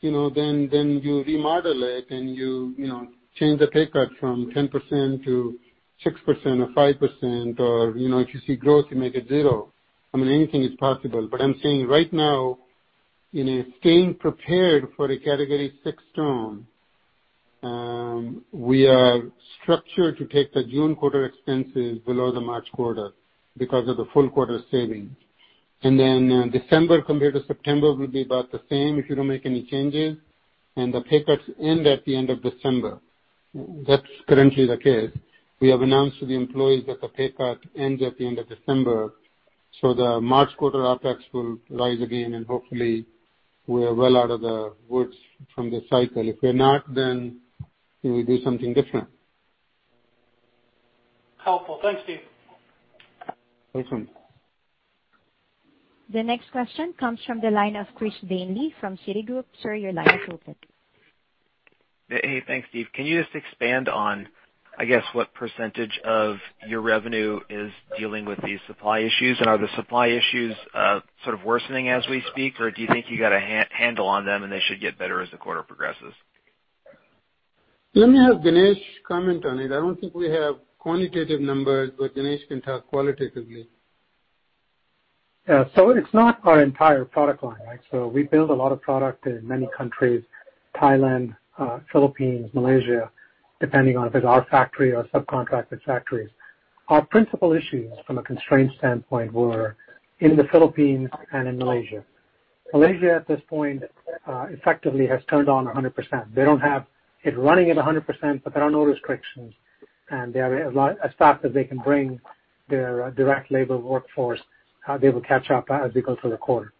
then you remodel it and you change the pay cut from 10% to 6% or 5%, or if you see growth, you make it zero. I mean, anything is possible. I'm saying right now, in staying prepared for a category six storm, we are structured to take the June quarter expenses below the March quarter because of the full quarter savings. December compared to September will be about the same if you don't make any changes, and the pay cuts end at the end of December. That's currently the case. We have announced to the employees that the pay cut ends at the end of December, the March quarter OpEx will rise again, and hopefully we're well out of the woods from this cycle. If we're not, we will do something different. Helpful. Thanks, Steve. Welcome. The next question comes from the line of Christopher Danely from Citigroup. Sir, your line is open. Hey. Thanks, Steve. Can you just expand on, I guess, what percentage of your revenue is dealing with these supply issues? Are the supply issues sort of worsening as we speak, or do you think you got a handle on them and they should get better as the quarter progresses? Let me have Ganesh comment on it. I don't think we have quantitative numbers, but Ganesh can talk qualitatively. It's not our entire product line, right? We build a lot of product in many countries, Thailand, Philippines, Malaysia, depending on if it's our factory or subcontracted factories. Our principal issues from a constraint standpoint were in the Philippines and in Malaysia. Malaysia at this point effectively has turned on 100%. They don't have it running at 100%, but there are no restrictions, and they are as fast as they can bring their direct labor workforce, they will catch up as we go through the quarter.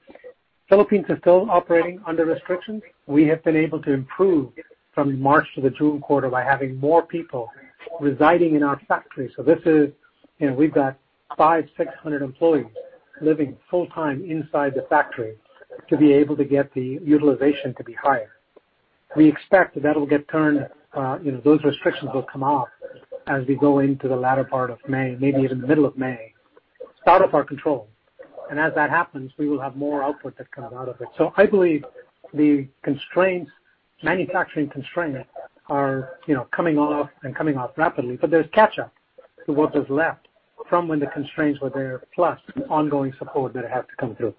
Philippines is still operating under restrictions. We have been able to improve from March to the June quarter by having more people residing in our factory. We've got 500, 600 employees living full-time inside the factory to be able to get the utilization to be higher. We expect that that'll get turned, those restrictions will come off as we go into the latter part of May, maybe even the middle of May. It's out of our control. As that happens, we will have more output that comes out of it. I believe the constraints, manufacturing constraints are coming off and coming off rapidly. There's catch-up to what is left from when the constraints were there, plus ongoing support that have to come through.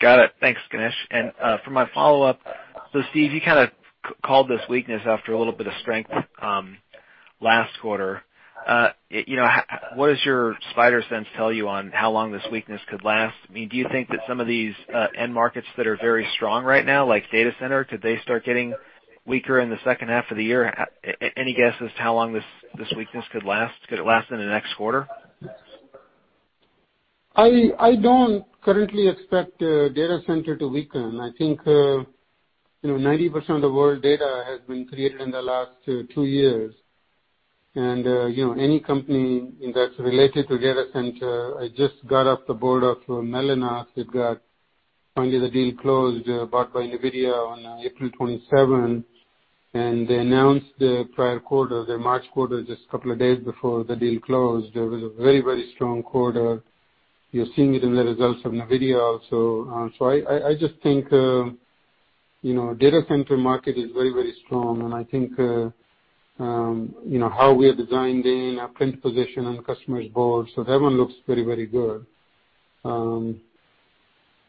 Got it. Thanks, Ganesh. For my follow-up, Steve, you kind of called this weakness after a little bit of strength last quarter. What does your spider sense tell you on how long this weakness could last? Do you think that some of these end markets that are very strong right now, like data center, could they start getting weaker in the second half of the year? Any guess as to how long this weakness could last? Could it last into next quarter? I don't currently expect data center to weaken. I think 90% of the world data has been created in the last two years. Any company that's related to data center, I just got off the board of Mellanox. They've got, finally, the deal closed, bought by NVIDIA on April 27, and they announced their prior quarter, their March quarter, just a couple of days before the deal closed. It was a very strong quarter. You're seeing it in the results from NVIDIA also. I just think data center market is very strong, and I think how we are designed in, our print position on the customers' boards. That one looks very good.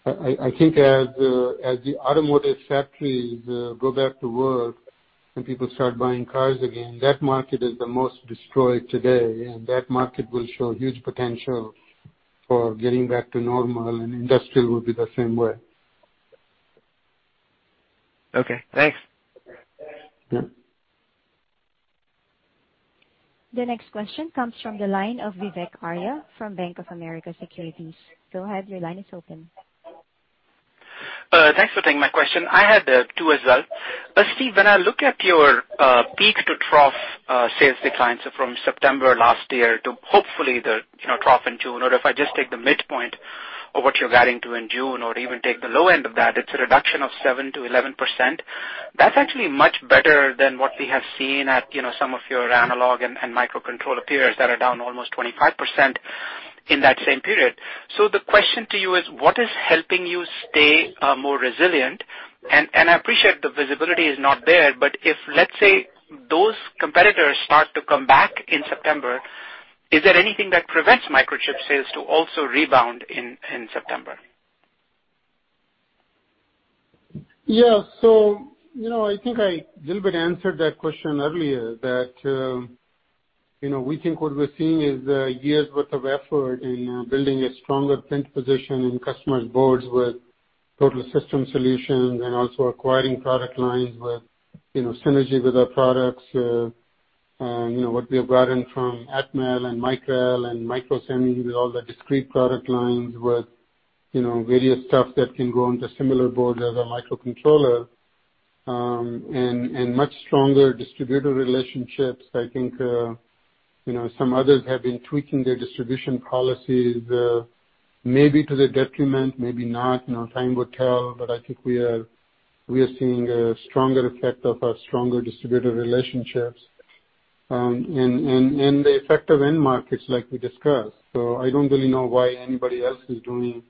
I think as the automotive factories go back to work and people start buying cars again, that market is the most destroyed today, and that market will show huge potential for getting back to normal, and industrial will be the same way. Okay, thanks. Yeah. The next question comes from the line of Vivek Arya from Bank of America Securities. Go ahead, your line is open. Thanks for taking my question. I had two as well. Steve, when I look at your peak-to-trough sales declines from September last year to hopefully the trough in June, or if I just take the midpoint of what you're guiding to in June or even take the low end of that, it's a reduction of 7%-11%. That's actually much better than what we have seen at some of your analog and microcontroller peers that are down almost 25% in that same period. The question to you is, what is helping you stay more resilient? I appreciate the visibility is not there, but if, let's say, those competitors start to come back in September, is there anything that prevents Microchip sales to also rebound in September? Yeah. I think I little bit answered that question earlier, that we think what we're seeing is a year's worth of effort in building a stronger print position in customers' boards with Total System Solutions and also acquiring product lines with synergy with our products. What we have gotten from Atmel and Micrel and Microsemi with all the discrete product lines with various stuff that can go into similar board as a microcontroller, and much stronger distributor relationships. I think some others have been tweaking their distribution policies, maybe to the detriment, maybe not. Time will tell, I think we are seeing a stronger effect of our stronger distributor relationships, and the effect of end markets like we discussed. I don't really know why anybody else is doing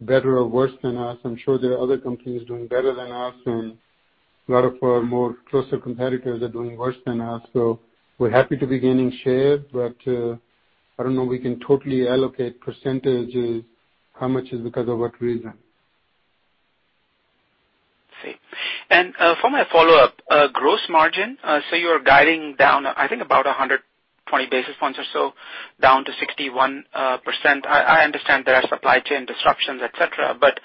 better or worse than us. I'm sure there are other companies doing better than us, and a lot of our more closer competitors are doing worse than us. We're happy to be gaining share, but I don't know we can totally allocate percentages, how much is because of what reason. I see. For my follow-up, gross margin. You're guiding down, I think about 120 basis points or so down to 61%. I understand there are supply chain disruptions, et cetera, but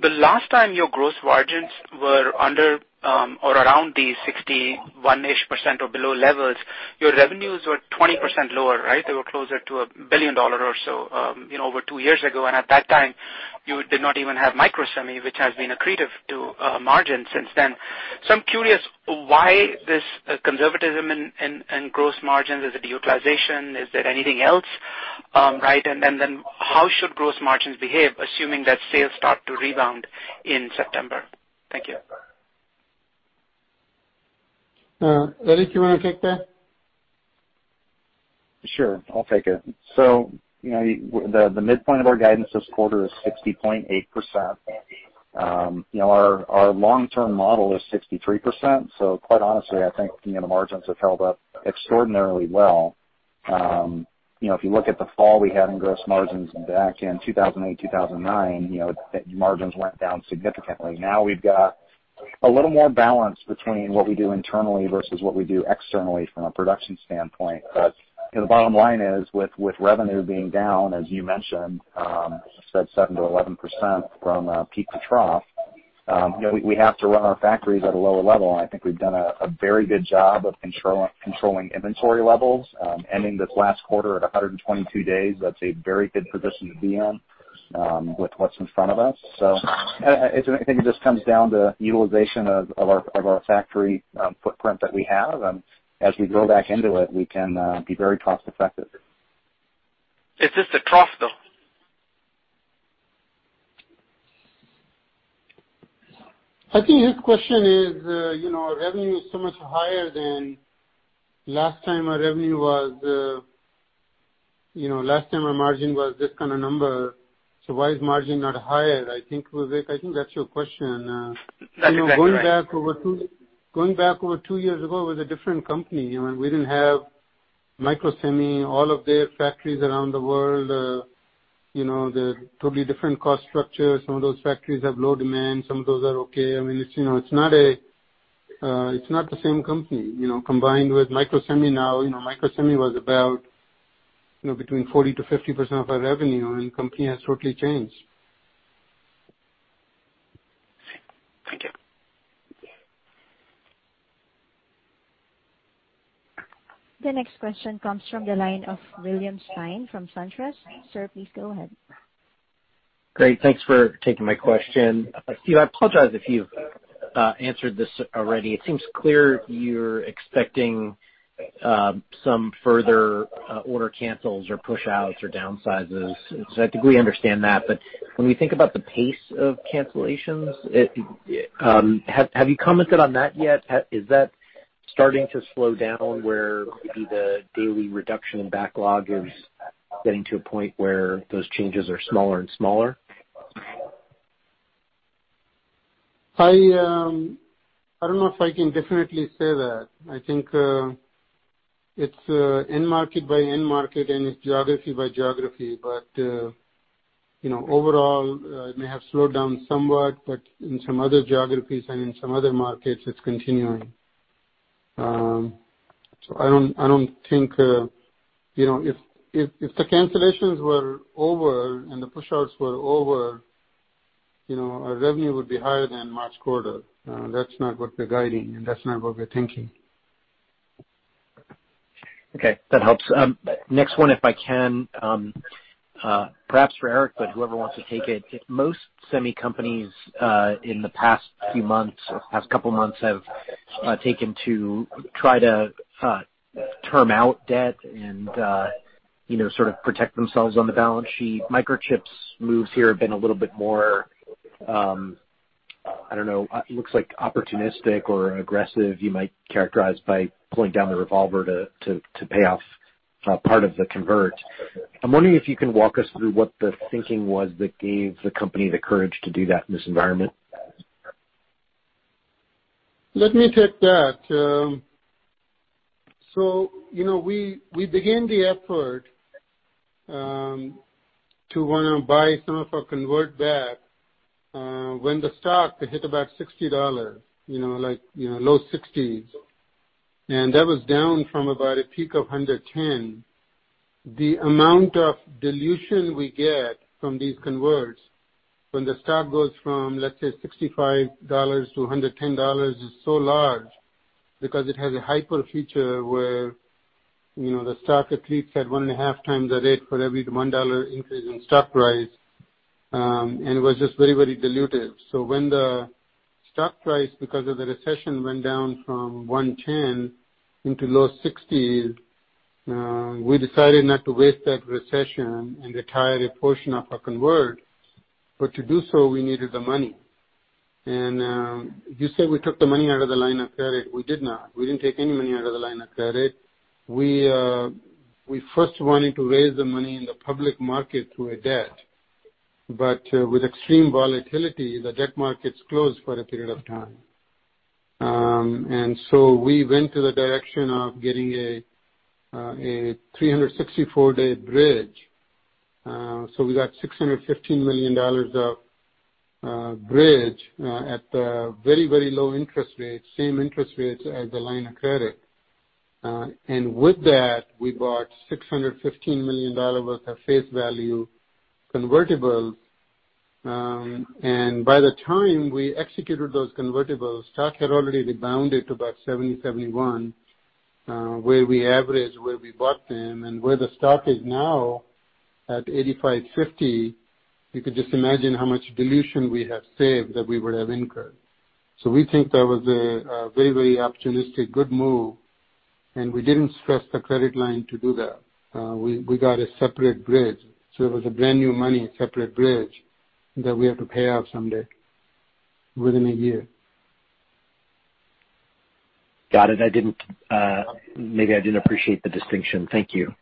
the last time your gross margins were under or around the 61% or below levels, your revenues were 20% lower, right? They were closer to $1 billion or so over two years ago. At that time, you did not even have Microsemi, which has been accretive to margin since then. I'm curious why this conservatism in gross margins. Is it utilization? Is there anything else, right? How should gross margins behave, assuming that sales start to rebound in September? Thank you. Eric, you want to take that? Sure. I'll take it. The midpoint of our guidance this quarter is 60.8%. Our long-term model is 63%. Quite honestly, I think the margins have held up extraordinarily well. If you look at the fall, we had in gross margins back in 2008, 2009, the margins went down significantly. Now we've got a little more balance between what we do internally versus what we do externally from a production standpoint. The bottom line is with revenue being down, as you mentioned, I said 7%-11% from peak to trough, we have to run our factories at a lower level, and I think we've done a very good job of controlling inventory levels, ending this last quarter at 122 days. That's a very good position to be in with what's in front of us. I think it just comes down to utilization of our factory footprint that we have, and as we go back into it, we can be very cost effective. Is this a trough, though? I think his question is, our revenue is so much higher than last time our margin was this kind of number. Why is margin not higher? I think, Vivek, I think that's your question. That's exactly right. Going back over two years ago, it was a different company. We didn't have Microsemi, all of their factories around the world, they're totally different cost structure. Some of those factories have low demand, some of those are okay. It's not the same company. Combined with Microsemi now, Microsemi was about between 40%-50% of our revenue. The company has totally changed. Thank you. The next question comes from the line of William Stein from SunTrust. Sir, please go ahead. Great. Thanks for taking my question. Steve, I apologize if you've answered this already. It seems clear you're expecting some further order cancels or pushouts or downsizes. I think we understand that. When we think about the pace of cancellations, have you commented on that yet? Is that starting to slow down where maybe the daily reduction in backlog is getting to a point where those changes are smaller and smaller? I don't know if I can definitely say that. I think it's end market by end market, and it's geography by geography. Overall, it may have slowed down somewhat, but in some other geographies and in some other markets, it's continuing. I don't think if the cancellations were over and the pushouts were over, our revenue would be higher than March quarter. That's not what we're guiding, and that's not what we're thinking. Okay. That helps. Next one, if I can, perhaps for Eric, but whoever wants to take it. Most semi companies in the past few months or past couple of months have taken to try to term out debt and sort of protect themselves on the balance sheet. Microchip's moves here have been a little bit more, I don't know, looks like opportunistic or aggressive, you might characterize, by pulling down the revolver to pay off part of the convert. I'm wondering if you can walk us through what the thinking was that gave the company the courage to do that in this environment. Let me take that. We began the effort to want to buy some of our convert back when the stock hit about $60, like low 60s that was down from about a peak of $110. The amount of dilution we get from these converts when the stock goes from, let's say, $65-$110 is so large because it has a hyper feature where the stock at least at one and a half times the rate for every $1 increase in stock price, and it was just very diluted. When the stock price, because of the recession, went down from $110 into low 60s, we decided not to waste that recession and retire a portion of our convert. To do so, we needed the money. You said we took the money out of the line of credit. We did not. We didn't take any money out of the line of credit. We first wanted to raise the money in the public market through a debt, but with extreme volatility, the debt markets closed for a period of time. We went to the direction of getting a 364-day bridge. We got $615 million of bridge at the very low interest rates, same interest rates as the line of credit. With that, we bought $615 million worth of face value convertibles. By the time we executed those convertibles, stock had already rebounded to about $70, $71, where we average where we bought them. Where the stock is now, at $85.50, you could just imagine how much dilution we have saved that we would have incurred. We think that was a very opportunistic, good move, and we didn't stress the credit line to do that. We got a separate bridge. It was a brand-new money, separate bridge that we have to pay off someday within a year. Got it. Maybe I didn't appreciate the distinction. Thank you.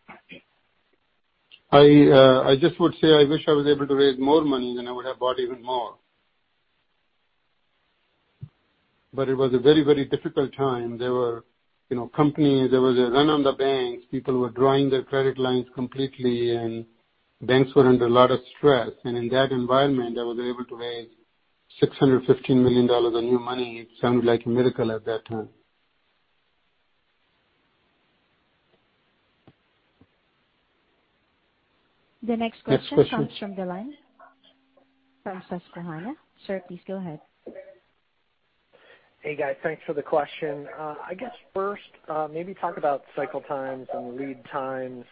I just would say, I wish I was able to raise more money, I would have bought even more. It was a very difficult time. There was a run on the banks. People were drawing their credit lines completely, banks were under a lot of stress. In that environment, I was able to raise $615 million of new money. It sounded like a miracle at that time. The next question- Next question. comes from the line from Susquehanna. Sir, please go ahead. Hey, guys. Thanks for the question. I guess first, maybe talk about cycle times and lead times.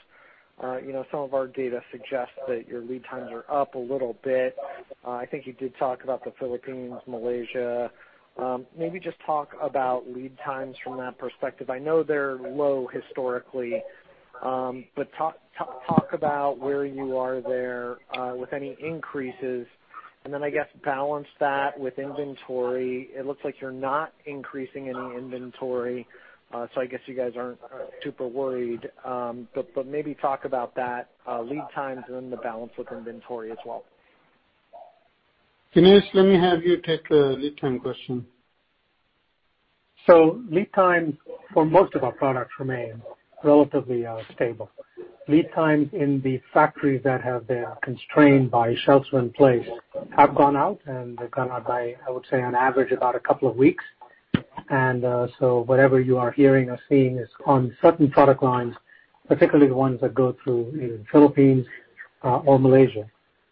Some of our data suggests that your lead times are up a little bit. I think you did talk about the Philippines, Malaysia. Maybe just talk about lead times from that perspective. I know they're low historically, but talk about where you are there with any increases, and then I guess balance that with inventory. It looks like you're not increasing any inventory, so I guess you guys aren't super worried. Maybe talk about that, lead times and the balance with inventory as well. Ganesh, let me have you take the lead time question. Lead time for most of our products remain relatively stable. Lead time in the factories that have been constrained by shelter in place have gone out, and they've gone out by, I would say, on average, about a couple of weeks. Whatever you are hearing or seeing is on certain product lines, particularly the ones that go through either Philippines or Malaysia,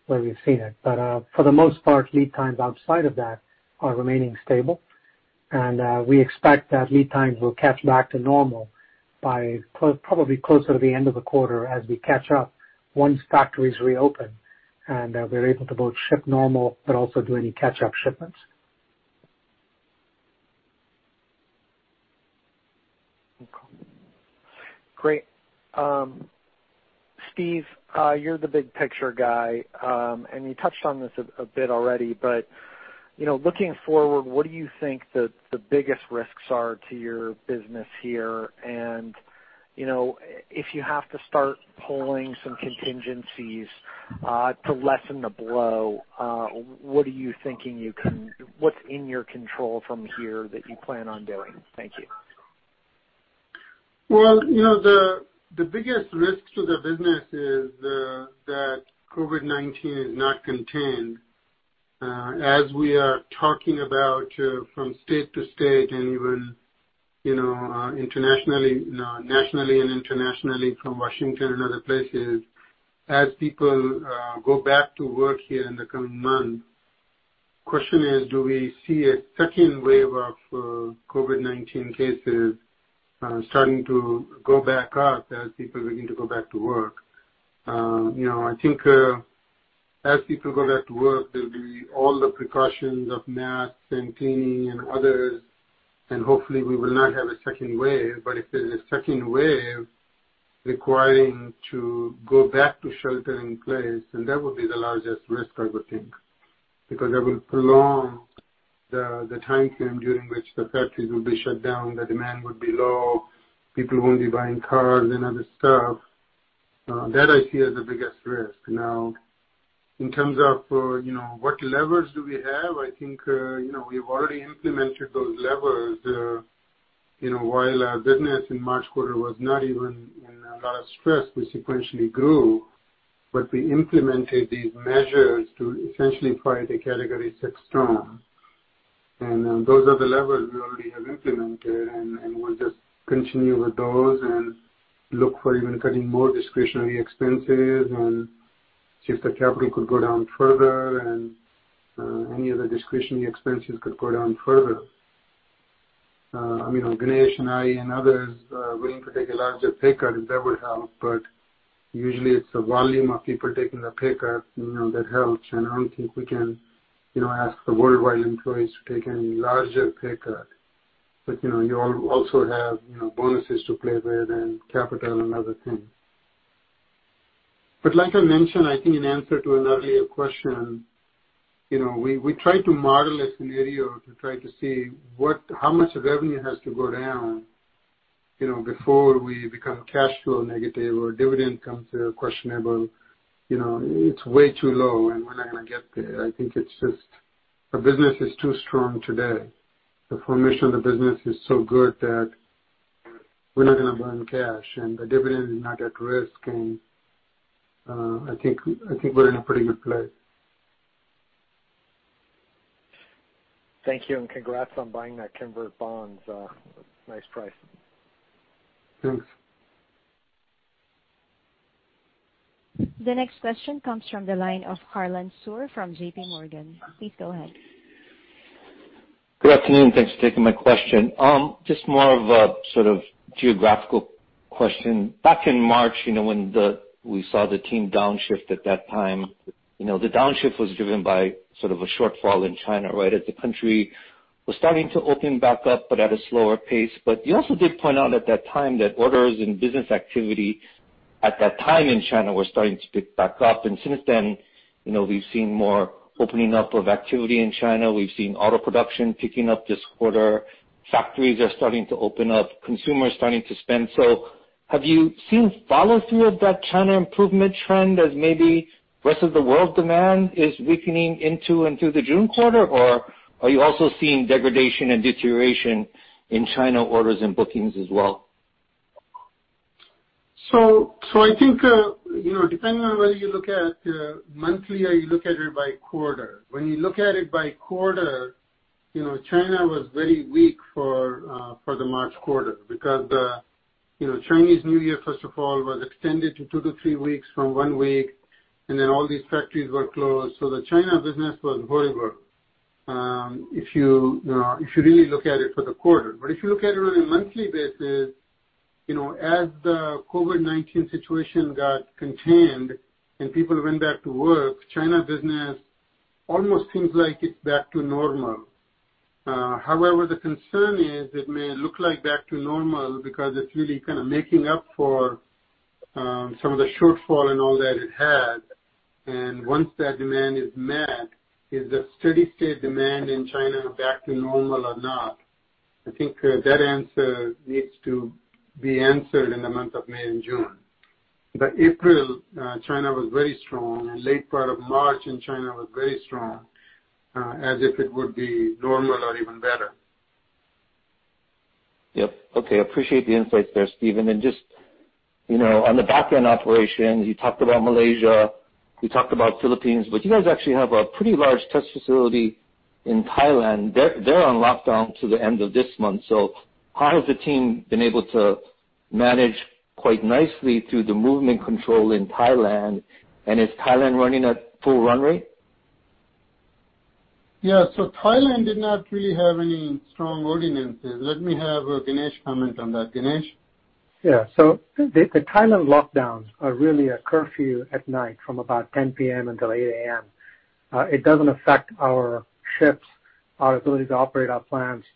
where we've seen it. For the most part, lead times outside of that are remaining stable. We expect that lead times will catch back to normal by probably closer to the end of the quarter as we catch up, once factories reopen and we're able to both ship normal, but also do any catch-up shipments. Okay. Great. Steve, you're the big picture guy, and you touched on this a bit already, but looking forward, what do you think the biggest risks are to your business here? If you have to start pulling some contingencies to lessen the blow, what's in your control from here that you plan on doing? Thank you. Well, the biggest risk to the business is that COVID-19 is not contained. As we are talking about from state to state and even nationally and internationally from Washington and other places, as people go back to work here in the coming months, question is, do we see a second wave of COVID-19 cases starting to go back up as people are going to go back to work? I think as people go back to work, there'll be all the precautions of masks and cleaning and others, and hopefully we will not have a second wave. If there's a second wave requiring to go back to shelter in place, then that would be the largest risk, I would think. That will prolong the time frame during which the factories will be shut down, the demand would be low, people won't be buying cars and other stuff. That I see as the biggest risk. Now, in terms of what levers do we have, I think, we've already implemented those levers. While our business in March quarter was not even in a lot of stress, we sequentially grew. We implemented these measures to essentially fight a category six storm. Those are the levers we already have implemented, and we'll just continue with those and look for even cutting more discretionary expenses and see if the capital could go down further and any of the discretionary expenses could go down further. Ganesh and I and others are willing to take a larger pay cut, that would help. Usually it's the volume of people taking the pay cut that helps. I don't think we can ask the worldwide employees to take any larger pay cut. You also have bonuses to play with and capital and other things. Like I mentioned, I think in answer to an earlier question, we try to model a scenario to try to see how much of revenue has to go down before we become cash flow negative or dividend comes questionable. It's way too low, and we're not going to get there. I think it's just our business is too strong today. The formation of the business is so good that we're not going to burn cash, and the dividend is not at risk, and I think we're in a pretty good place. Thank you, congrats on buying that convert bond. Nice price. Thanks. The next question comes from the line of Harlan Sur from J.P. Morgan. Please go ahead. Good afternoon. Thanks for taking my question. Just more of a geographical question. Back in March, when we saw the team downshift at that time, the downshift was driven by a shortfall in China, right as the country was starting to open back up, but at a slower pace. You also did point out at that time that orders and business activity at that time in China were starting to pick back up. Since then, we've seen more opening up of activity in China. We've seen auto production picking up this quarter. Factories are starting to open up. Consumers starting to spend. Have you seen follow-through of that China improvement trend as maybe rest of the world demand is weakening into the June quarter? Are you also seeing degradation and deterioration in China orders and bookings as well? I think, depending on whether you look at monthly or you look at it by quarter. When you look at it by quarter, China was very weak for the March quarter because the Chinese New Year, first of all, was extended to two to three weeks from one week, and then all these factories were closed. The China business was horrible, if you really look at it for the quarter. If you look at it on a monthly basis, as the COVID-19 situation got contained and people went back to work, China business almost seems like it's back to normal. However, the concern is it may look like back to normal because it's really kind of making up for some of the shortfall and all that it had. Once that demand is met, is the steady-state demand in China back to normal or not? I think that answer needs to be answered in the month of May and June. April, China was very strong, and late part of March in China was very strong, as if it would be normal or even better. Yep. Okay. Appreciate the insights there, Steve. Just on the back-end operations, you talked about Malaysia, you talked about Philippines, but you guys actually have a pretty large test facility in Thailand. They're on lockdown to the end of this month. How has the team been able to manage quite nicely through the movement control in Thailand, and is Thailand running at full run rate? Yeah. Thailand did not really have any strong ordinances. Let me have Ganesh comment on that. Ganesh? Yeah. The Thailand lockdowns are really a curfew at night from about 10:00 P.M. until 8:00 A.M. It doesn't affect our shifts, our ability to operate our plants.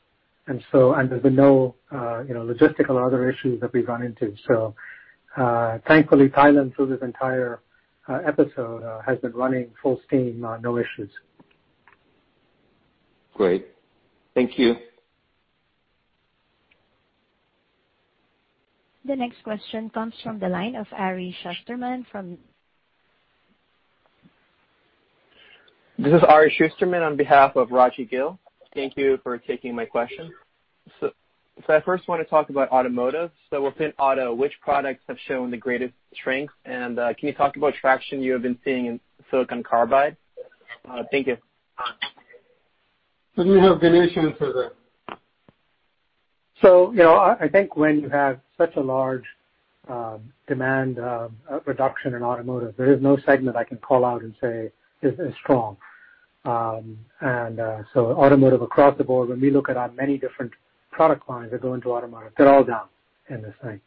There's been no logistical or other issues that we've run into. Thankfully, Thailand, through this entire episode, has been running full steam, no issues. Great. Thank you. The next question comes from the line of Ari Shusterman. This is Ari Shusterman on behalf of Rajvindra Gill. Thank you for taking my question. Sure. I first want to talk about automotive. Within auto, which products have shown the greatest strength, and can you talk about traction you have been seeing in silicon carbide? Thank you. Let me have Ganesh answer that. I think when you have such a large demand reduction in automotive, there is no segment I can call out and say is strong. Automotive across the board, when we look at our many different product lines that go into automotive, they're all down in the same.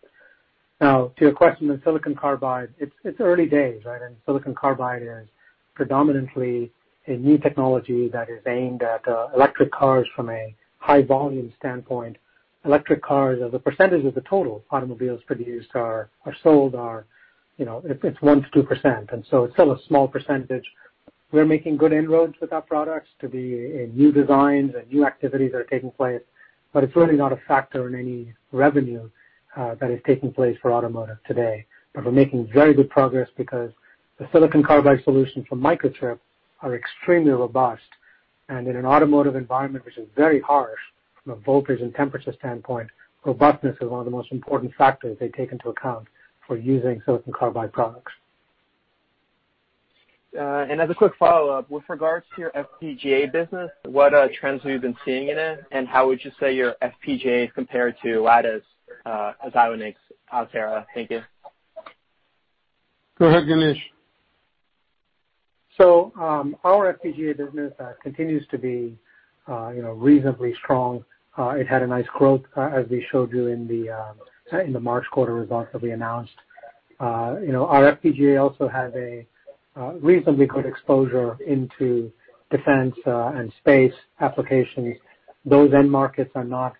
Now, to your question on silicon carbide, it's early days, right? Silicon carbide is predominantly a new technology that is aimed at electric cars from a high volume standpoint. Electric cars, as a percentage of the total automobiles produced or sold are, it's 1%-2%. It's still a small percentage. We're making good inroads with our products to be in new designs and new activities that are taking place, but it's really not a factor in any revenue that is taking place for automotive today. We're making very good progress because the silicon carbide solutions from Microchip are extremely robust. In an automotive environment, which is very harsh from a voltage and temperature standpoint, robustness is one of the most important factors they take into account for using silicon carbide products. As a quick follow-up, with regards to your FPGA business, what trends have you been seeing in it, and how would you say your FPGA compare to Lattice, Xilinx, Altera? Thank you. Go ahead, Ganesh. Our FPGA business continues to be reasonably strong. It had a nice growth, as we showed you in the March quarter results that we announced. Our FPGA also has a reasonably good exposure into defense and space applications. Those end markets are not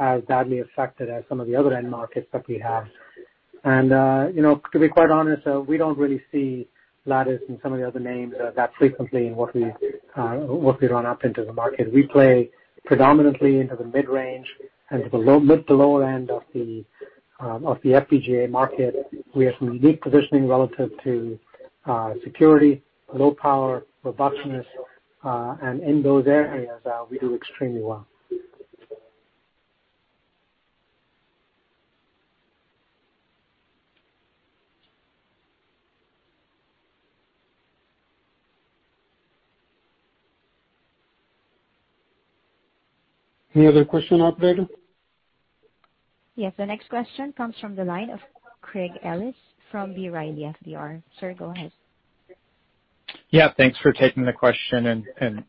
as badly affected as some of the other end markets that we have. To be quite honest, we don't really see Lattice and some of the other names that frequently in what we run up into the market. We play predominantly into the mid-range and to the lower end of the FPGA market. We have some unique positioning relative to security, low power, robustness, and in those areas, we do extremely well. Any other question operator? Yes, the next question comes from the line of Craig Ellis from B. Riley FBR. Sir, go ahead. Yeah, thanks for taking the question, and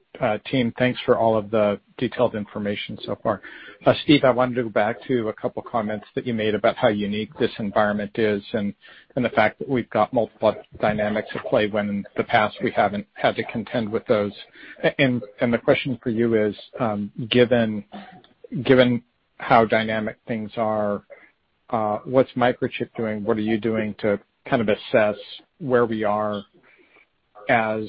team, thanks for all of the detailed information so far. Steve, I wanted to go back to a couple comments that you made about how unique this environment is and the fact that we've got multiple dynamics at play when in the past we haven't had to contend with those. The question for you is, given how dynamic things are, what's Microchip doing? What are you doing to kind of assess where we are as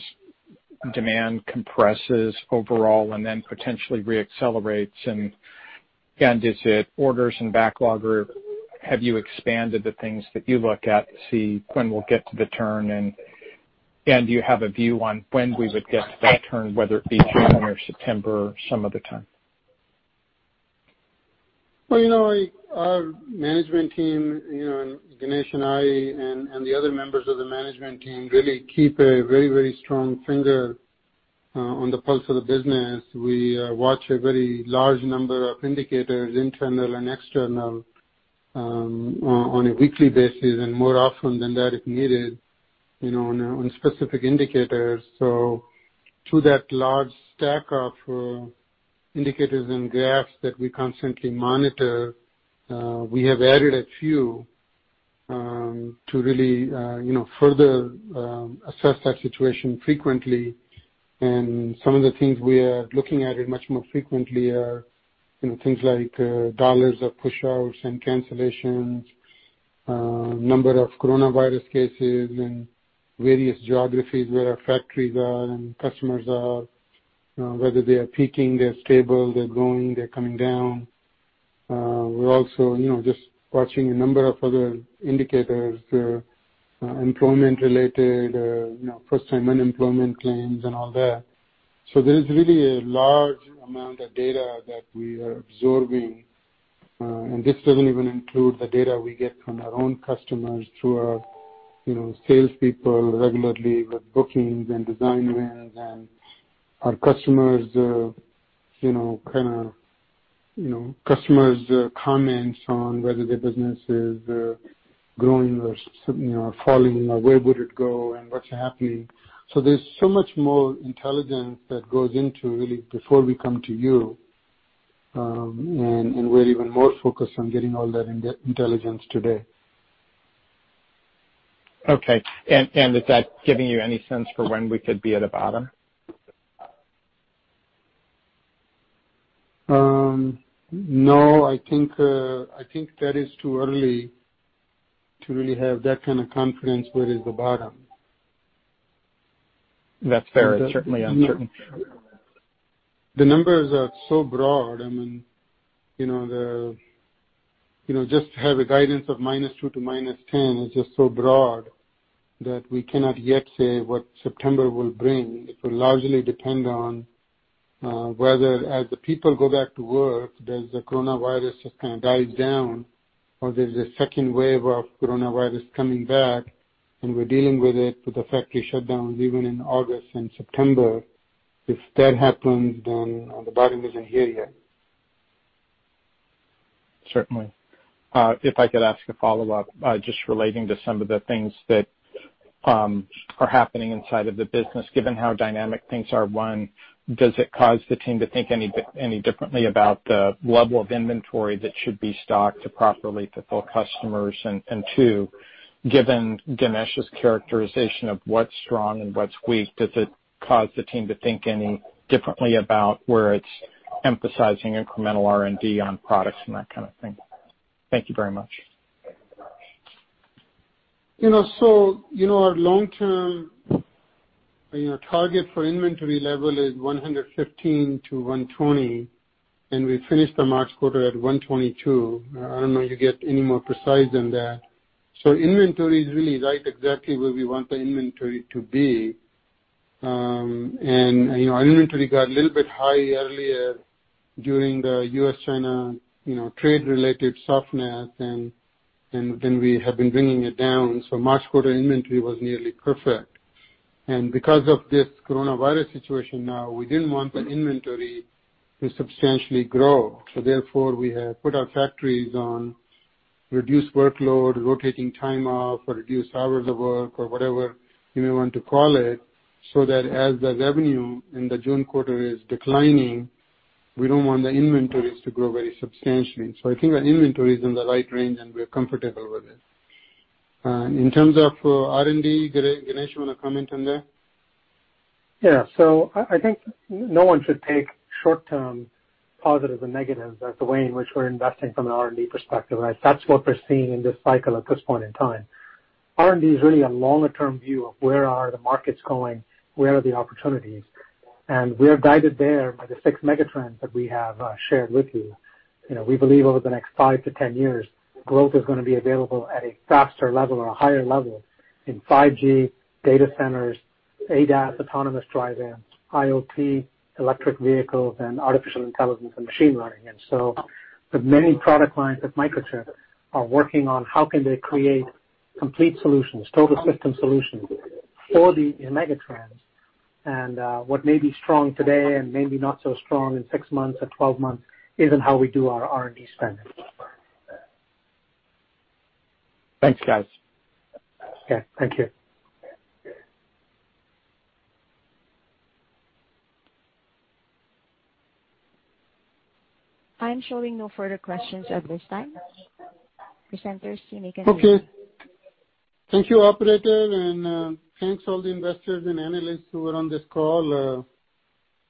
demand compresses overall and then potentially re-accelerates? Is it orders and backlog, or have you expanded the things that you look at to see when we'll get to the turn? Do you have a view on when we would get to that turn, whether it be June or September or some other time? Well, our management team, Ganesh and I and the other members of the management team really keep a very strong finger on the pulse of the business. We watch a very large number of indicators, internal and external, on a weekly basis and more often than that if needed on specific indicators. To that large stack of indicators and graphs that we constantly monitor, we have added a few, to really further assess that situation frequently. Some of the things we are looking at it much more frequently are things like dollars of push-outs and cancellations, number of coronavirus cases in various geographies where our factories are and customers are, whether they are peaking, they're stable, they're growing, they're coming down. We're also just watching a number of other indicators, employment related, first-time unemployment claims and all that. There is really a large amount of data that we are absorbing, and this doesn't even include the data we get from our own customers through our salespeople regularly with bookings and design wins and our customers' comments on whether their business is growing or falling, or where would it go and what's happening. There's so much more intelligence that goes into really before we come to you. We're even more focused on getting all that intelligence today. Okay. Is that giving you any sense for when we could be at the bottom? No, I think that is too early to really have that kind of confidence where is the bottom. That's fair. It's certainly uncertain. The numbers are so broad. I mean, just to have a guidance of -2 to -10 is just so broad that we cannot yet say what September will bring. It will largely depend on whether, as the people go back to work, does the coronavirus just kind of die down or there's a second wave of coronavirus coming back, and we're dealing with it with the factory shutdowns even in August and September. If that happens, then the bottom isn't here yet. Certainly. If I could ask a follow-up, just relating to some of the things that are happening inside of the business, given how dynamic things are. One, does it cause the team to think any differently about the level of inventory that should be stocked to properly fulfill customers? Two, given Ganesh's characterization of what's strong and what's weak, does it cause the team to think any differently about where it's emphasizing incremental R&D on products and that kind of thing? Thank you very much. Our long-term target for inventory level is 115 to 120, and we finished the March quarter at 122. I don't know you get any more precise than that. Inventory is really right exactly where we want the inventory to be. Our inventory got a little bit high earlier during the U.S.-China trade-related softness, then we have been bringing it down. March quarter inventory was nearly perfect. Because of this coronavirus situation now, we didn't want the inventory to substantially grow. Therefore, we have put our factories on reduced workload, rotating time off, or reduced hours of work or whatever you may want to call it, so that as the revenue in the June quarter is declining, we don't want the inventories to grow very substantially. I think our inventory is in the right range, and we are comfortable with it. In terms of R&D, Ganesh, you want to comment on that? Yeah. I think no one should take short-term positives and negatives as the way in which we're investing from an R&D perspective, right? That's what we're seeing in this cycle at this point in time. R&D is really a longer-term view of where are the markets going, where are the opportunities. We're guided there by the six mega trends that we have shared with you. We believe over the next five to 10 years, growth is going to be available at a faster level or a higher level in 5G, data centers, ADAS, autonomous driving, IoT, electric vehicles, and artificial intelligence and machine learning. The many product lines that Microchip are working on, how can they create complete solutions, Total System Solutions for the mega trends. What may be strong today and maybe not so strong in six months or 12 months isn't how we do our R&D spending. Thanks, guys. Okay. Thank you. I'm showing no further questions at this time. Presenters, you may disconnect. Okay. Thank you, operator, and thanks all the investors and analysts who were on this call.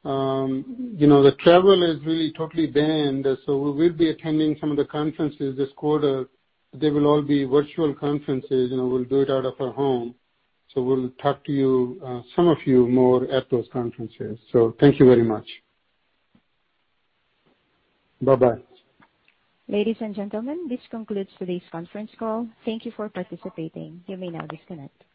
The travel is really totally banned, so we will be attending some of the conferences this quarter. They will all be virtual conferences, and we'll do it out of our home. We'll talk to some of you more at those conferences. Thank you very much. Bye-bye. Ladies and gentlemen, this concludes today's conference call. Thank you for participating. You may now disconnect.